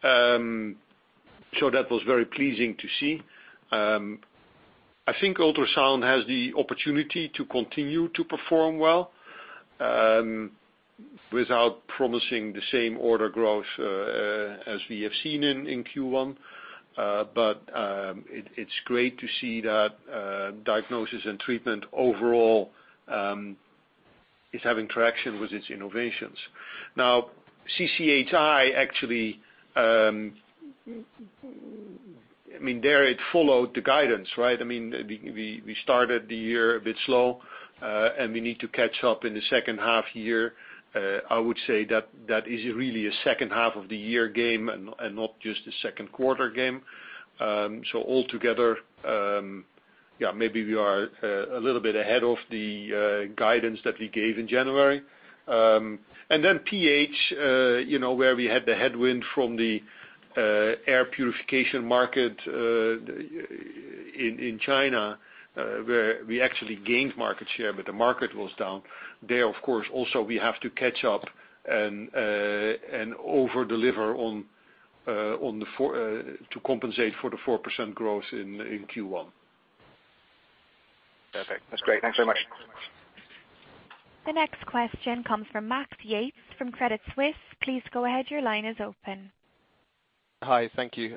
That was very pleasing to see. I think ultrasound has the opportunity to continue to perform well, without promising the same order growth as we have seen in Q1. It's great to see that diagnosis and treatment overall is having traction with its innovations. CCHI, there it followed the guidance, right? We started the year a bit slow, and we need to catch up in the second half year. I would say that is really a second half of the year game and not just a second quarter game. Altogether, maybe we are a little bit ahead of the guidance that we gave in January. PH, where we had the headwind from the air purification market in China, where we actually gained market share. The market was down. There, of course, also we have to catch up and over-deliver to compensate for the 4% growth in Q1. Perfect. That's great. Thanks very much. The next question comes from Max Yates from Credit Suisse. Please go ahead, your line is open. Hi. Thank you.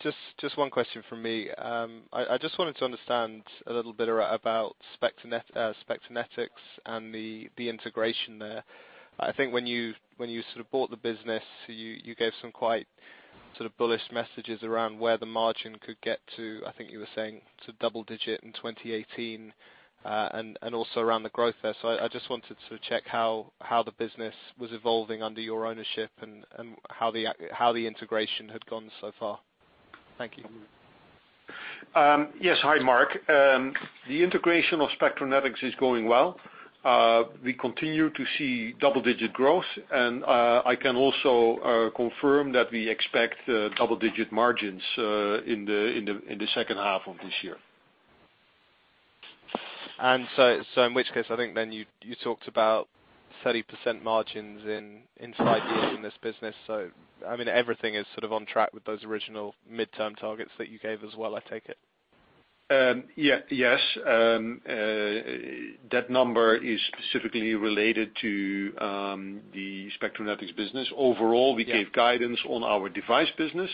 Just one question from me. I just wanted to understand a little bit about Spectranetics and the integration there. I think when you sort of bought the business, you gave some quite bullish messages around where the margin could get to. I think you were saying to double-digit in 2018, and also around the growth there. I just wanted to check how the business was evolving under your ownership and how the integration had gone so far. Thank you. Yes. Hi, Mark. The integration of Spectranetics is going well. We continue to see double-digit growth, and I can also confirm that we expect double-digit margins in the second half of this year. In which case, I think then you talked about 30% margins in five years in this business. Everything is sort of on track with those original midterm targets that you gave as well, I take it? Yes. That number is specifically related to the Spectranetics business. Overall- Yeah We gave guidance on our device business.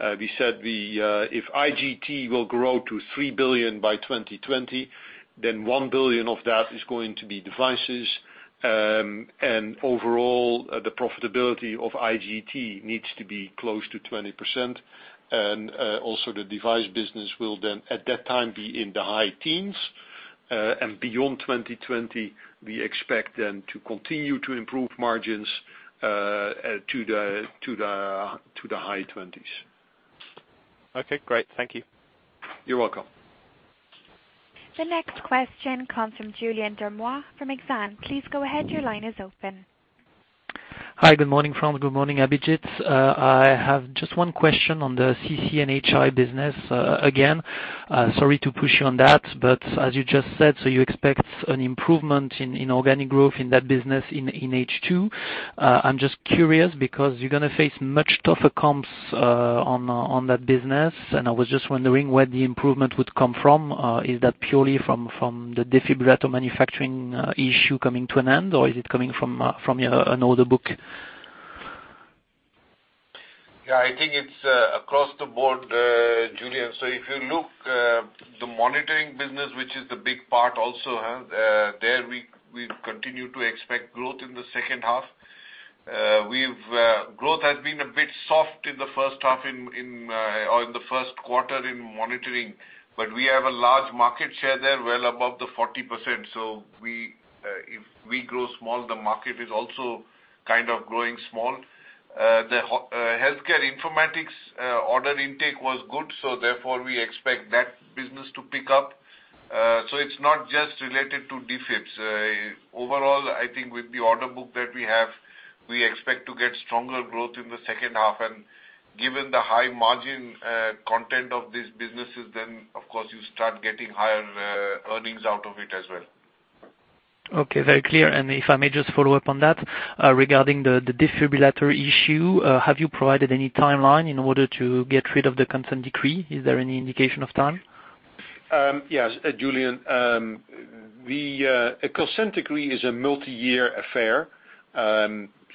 We said if IGT will grow to 3 billion by 2020, then 1 billion of that is going to be devices. Overall, the profitability of IGT needs to be close to 20%. Also the device business will then, at that time, be in the high teens. Beyond 2020, we expect then to continue to improve margins to the high 20s. Okay, great. Thank you. You're welcome. The next question comes from Julien Dormois from Exane. Please go ahead, your line is open. Hi, good morning, Frans. Good morning, Abhijit. I have just one question on the CCHI business. Again, sorry to push you on that, but as you just said, you expect an improvement in organic growth in that business in H2. I'm just curious because you're going to face much tougher comps on that business, and I was just wondering where the improvement would come from. Is that purely from the defibrillator manufacturing issue coming to an end, or is it coming from an order book? I think it's across the board, Julien. If you look, the monitoring business, which is the big part also, there we continue to expect growth in the second half. Growth has been a bit soft in the first half or in the first quarter in monitoring, but we have a large market share there, well above the 40%. If we grow small, the market is also kind of growing small. The healthcare informatics order intake was good, therefore we expect that business to pick up. It's not just related to defibs. Overall, I think with the order book that we have, we expect to get stronger growth in the second half. Given the high margin content of these businesses, of course, you start getting higher earnings out of it as well. Okay, very clear. If I may just follow up on that. Regarding the defibrillator issue, have you provided any timeline in order to get rid of the consent decree? Is there any indication of time? Yes, Julien. A consent decree is a multi-year affair,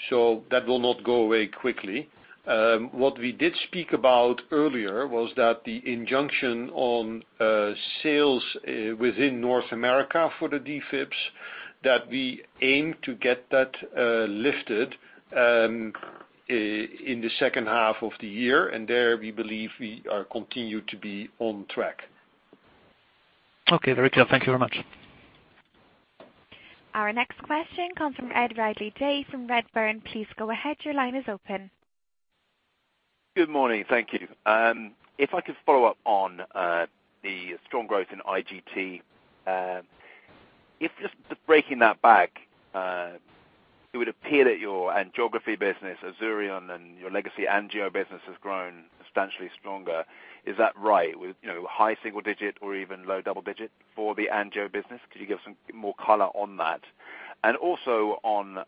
so that will not go away quickly. What we did speak about earlier was that the injunction on sales within North America for the defibs, that we aim to get that lifted in the second half of the year. There, we believe we are continued to be on track. Okay, very clear. Thank you very much. Our next question comes from Ed Ridley-Day from Redburn. Please go ahead, your line is open. Good morning. Thank you. If I could follow up on the strong growth in IGT. If just breaking that back, it would appear that your angiography business, Azurion, and your legacy angio business has grown substantially stronger. Is that right? With high single digit or even low double digit for the angio business? Could you give some more color on that? Also on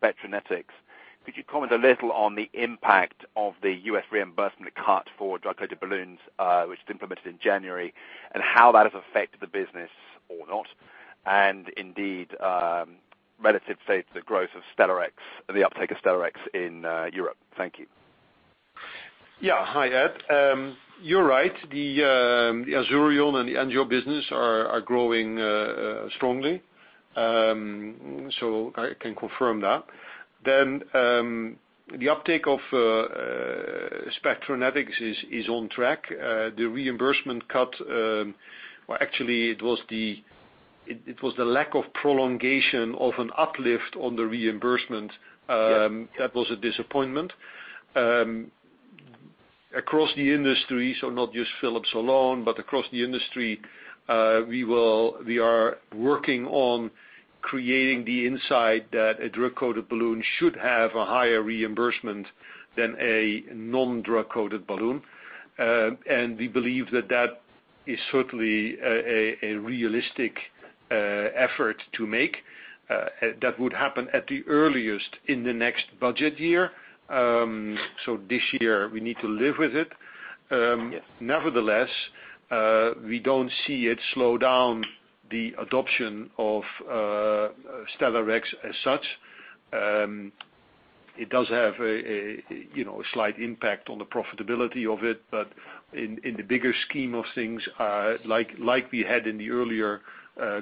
Spectranetics, could you comment a little on the impact of the U.S. reimbursement cut for drug-coated balloons, which was implemented in January, and how that has affected the business or not? Indeed, relative, say, to the growth of the uptake of Stellarex in Europe. Thank you. Yeah. Hi, Ed. You're right, the Azurion and the angio business are growing strongly. I can confirm that. The uptake of Spectranetics is on track. The reimbursement cut, or actually, it was the lack of prolongation of an uplift on the reimbursement- Yeah that was a disappointment. Across the industry, not just Philips alone, but across the industry, we are working on creating the insight that a drug-coated balloon should have a higher reimbursement than a non-drug-coated balloon. We believe that that is certainly a realistic effort to make. That would happen at the earliest in the next budget year. This year, we need to live with it. Yes. Nevertheless, we don't see it slow down the adoption of Stellarex as such. It does have a slight impact on the profitability of it, but in the bigger scheme of things, like we had in the earlier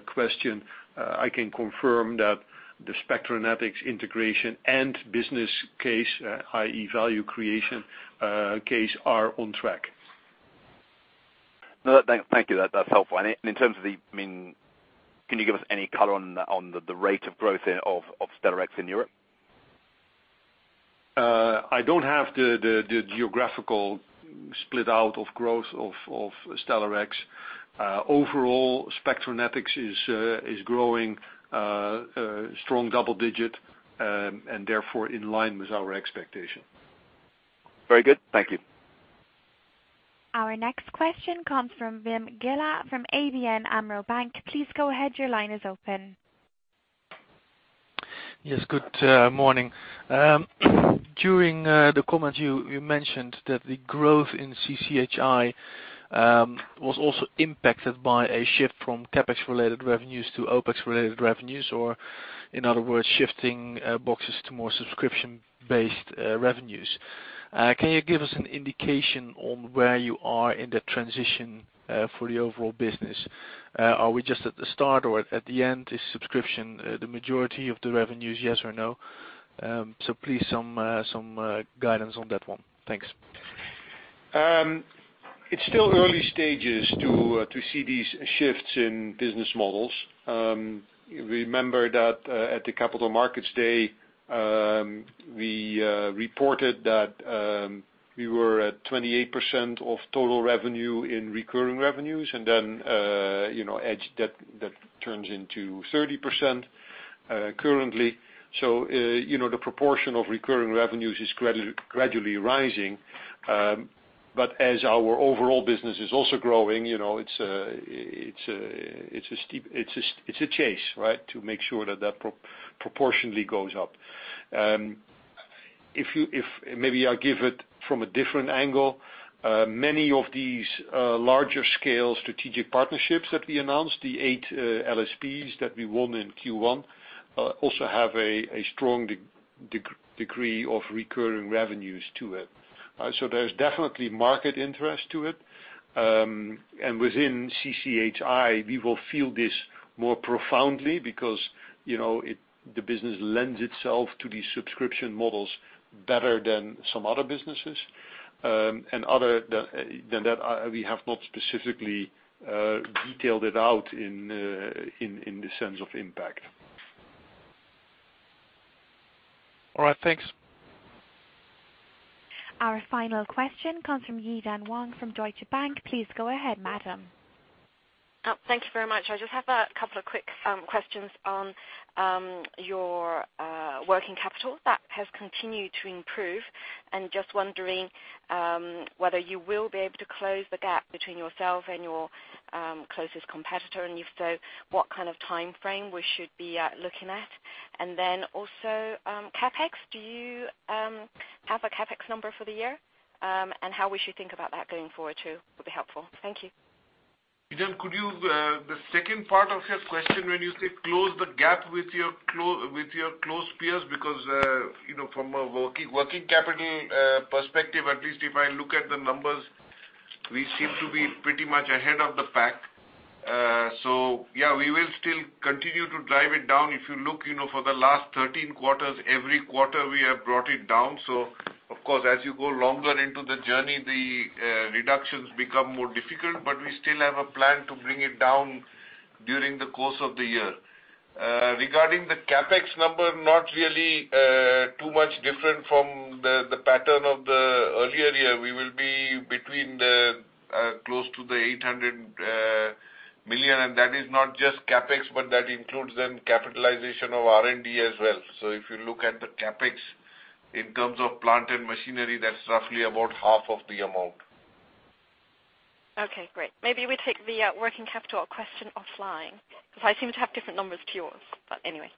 question, I can confirm that the Spectranetics integration and business case, i.e. value creation case, are on track. No, thank you. That's helpful. Can you give us any color on the rate of growth of Stellarex in Europe? I don't have the geographical split out of growth of Stellarex. Overall, Spectranetics is growing strong double-digit, therefore, in line with our expectation. Very good. Thank you. Our next question comes from Wim Gille from ABN AMRO Bank. Please go ahead. Your line is open. Yes. Good morning. During the comments, you mentioned that the growth in CCHI was also impacted by a shift from CapEx related revenues to OpEx related revenues, or in other words, shifting boxes to more subscription-based revenues. Can you give us an indication on where you are in the transition for the overall business? Are we just at the start or at the end? Is subscription the majority of the revenues, yes or no? Please, some guidance on that one. Thanks. It's still early stages to see these shifts in business models. Remember that at the Capital Markets Day, we reported that we were at 28% of total revenue in recurring revenues, then that turns into 30% currently. The proportion of recurring revenues is gradually rising. As our overall business is also growing, it's a chase, right, to make sure that that proportionally goes up. Maybe I'll give it from a different angle. Many of these larger scale strategic partnerships that we announced, the eight LSPs that we won in Q1, also have a strong degree of recurring revenues to it. There's definitely market interest to it. Within CCHI, we will feel this more profoundly because the business lends itself to these subscription models better than some other businesses. Other than that, we have not specifically detailed it out in the sense of impact. All right. Thanks. Our final question comes from Yi-Dan Wang from Deutsche Bank. Please go ahead, madam. Thank you very much. I just have a couple of quick questions on your working capital. That has continued to improve, and just wondering whether you will be able to close the gap between yourself and your closest competitor, and if so, what kind of timeframe we should be looking at. Also, CapEx, do you have a CapEx number for the year? How we should think about that going forward, too, would be helpful. Thank you. Yi-Dan Wang, the second part of your question when you say close the gap with your close peers, because from a working capital perspective, at least if I look at the numbers, we seem to be pretty much ahead of the pack. Yeah, we will still continue to drive it down. If you look for the last 13 quarters, every quarter we have brought it down. Of course, as you go longer into the journey, the reductions become more difficult, but we still have a plan to bring it down during the course of the year. Regarding the CapEx number, not really too much different from the pattern of the earlier year. We will be between close to the 800 million, and that is not just CapEx, but that includes then capitalization of R&D as well. If you look at the CapEx in terms of plant and machinery, that's roughly about half of the amount. Okay, great. Maybe we take the working capital question offline, because I seem to have different numbers to yours. Anyway.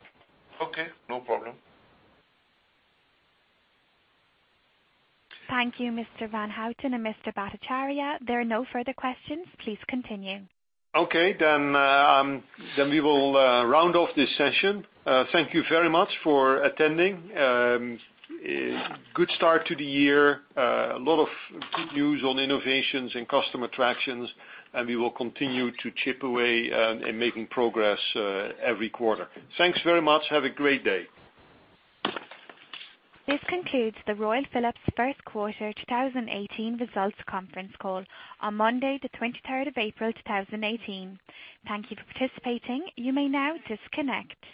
Okay. No problem. Thank you, Mr. van Houten and Mr. Bhattacharya. There are no further questions. Please continue. We will round off this session. Thank you very much for attending. Good start to the year. A lot of good news on innovations and customer attractions, and we will continue to chip away and making progress every quarter. Thanks very much. Have a great day. This concludes the Royal Philips First Quarter 2018 Results Conference Call on Monday, the 23rd of April, 2018. Thank you for participating. You may now disconnect.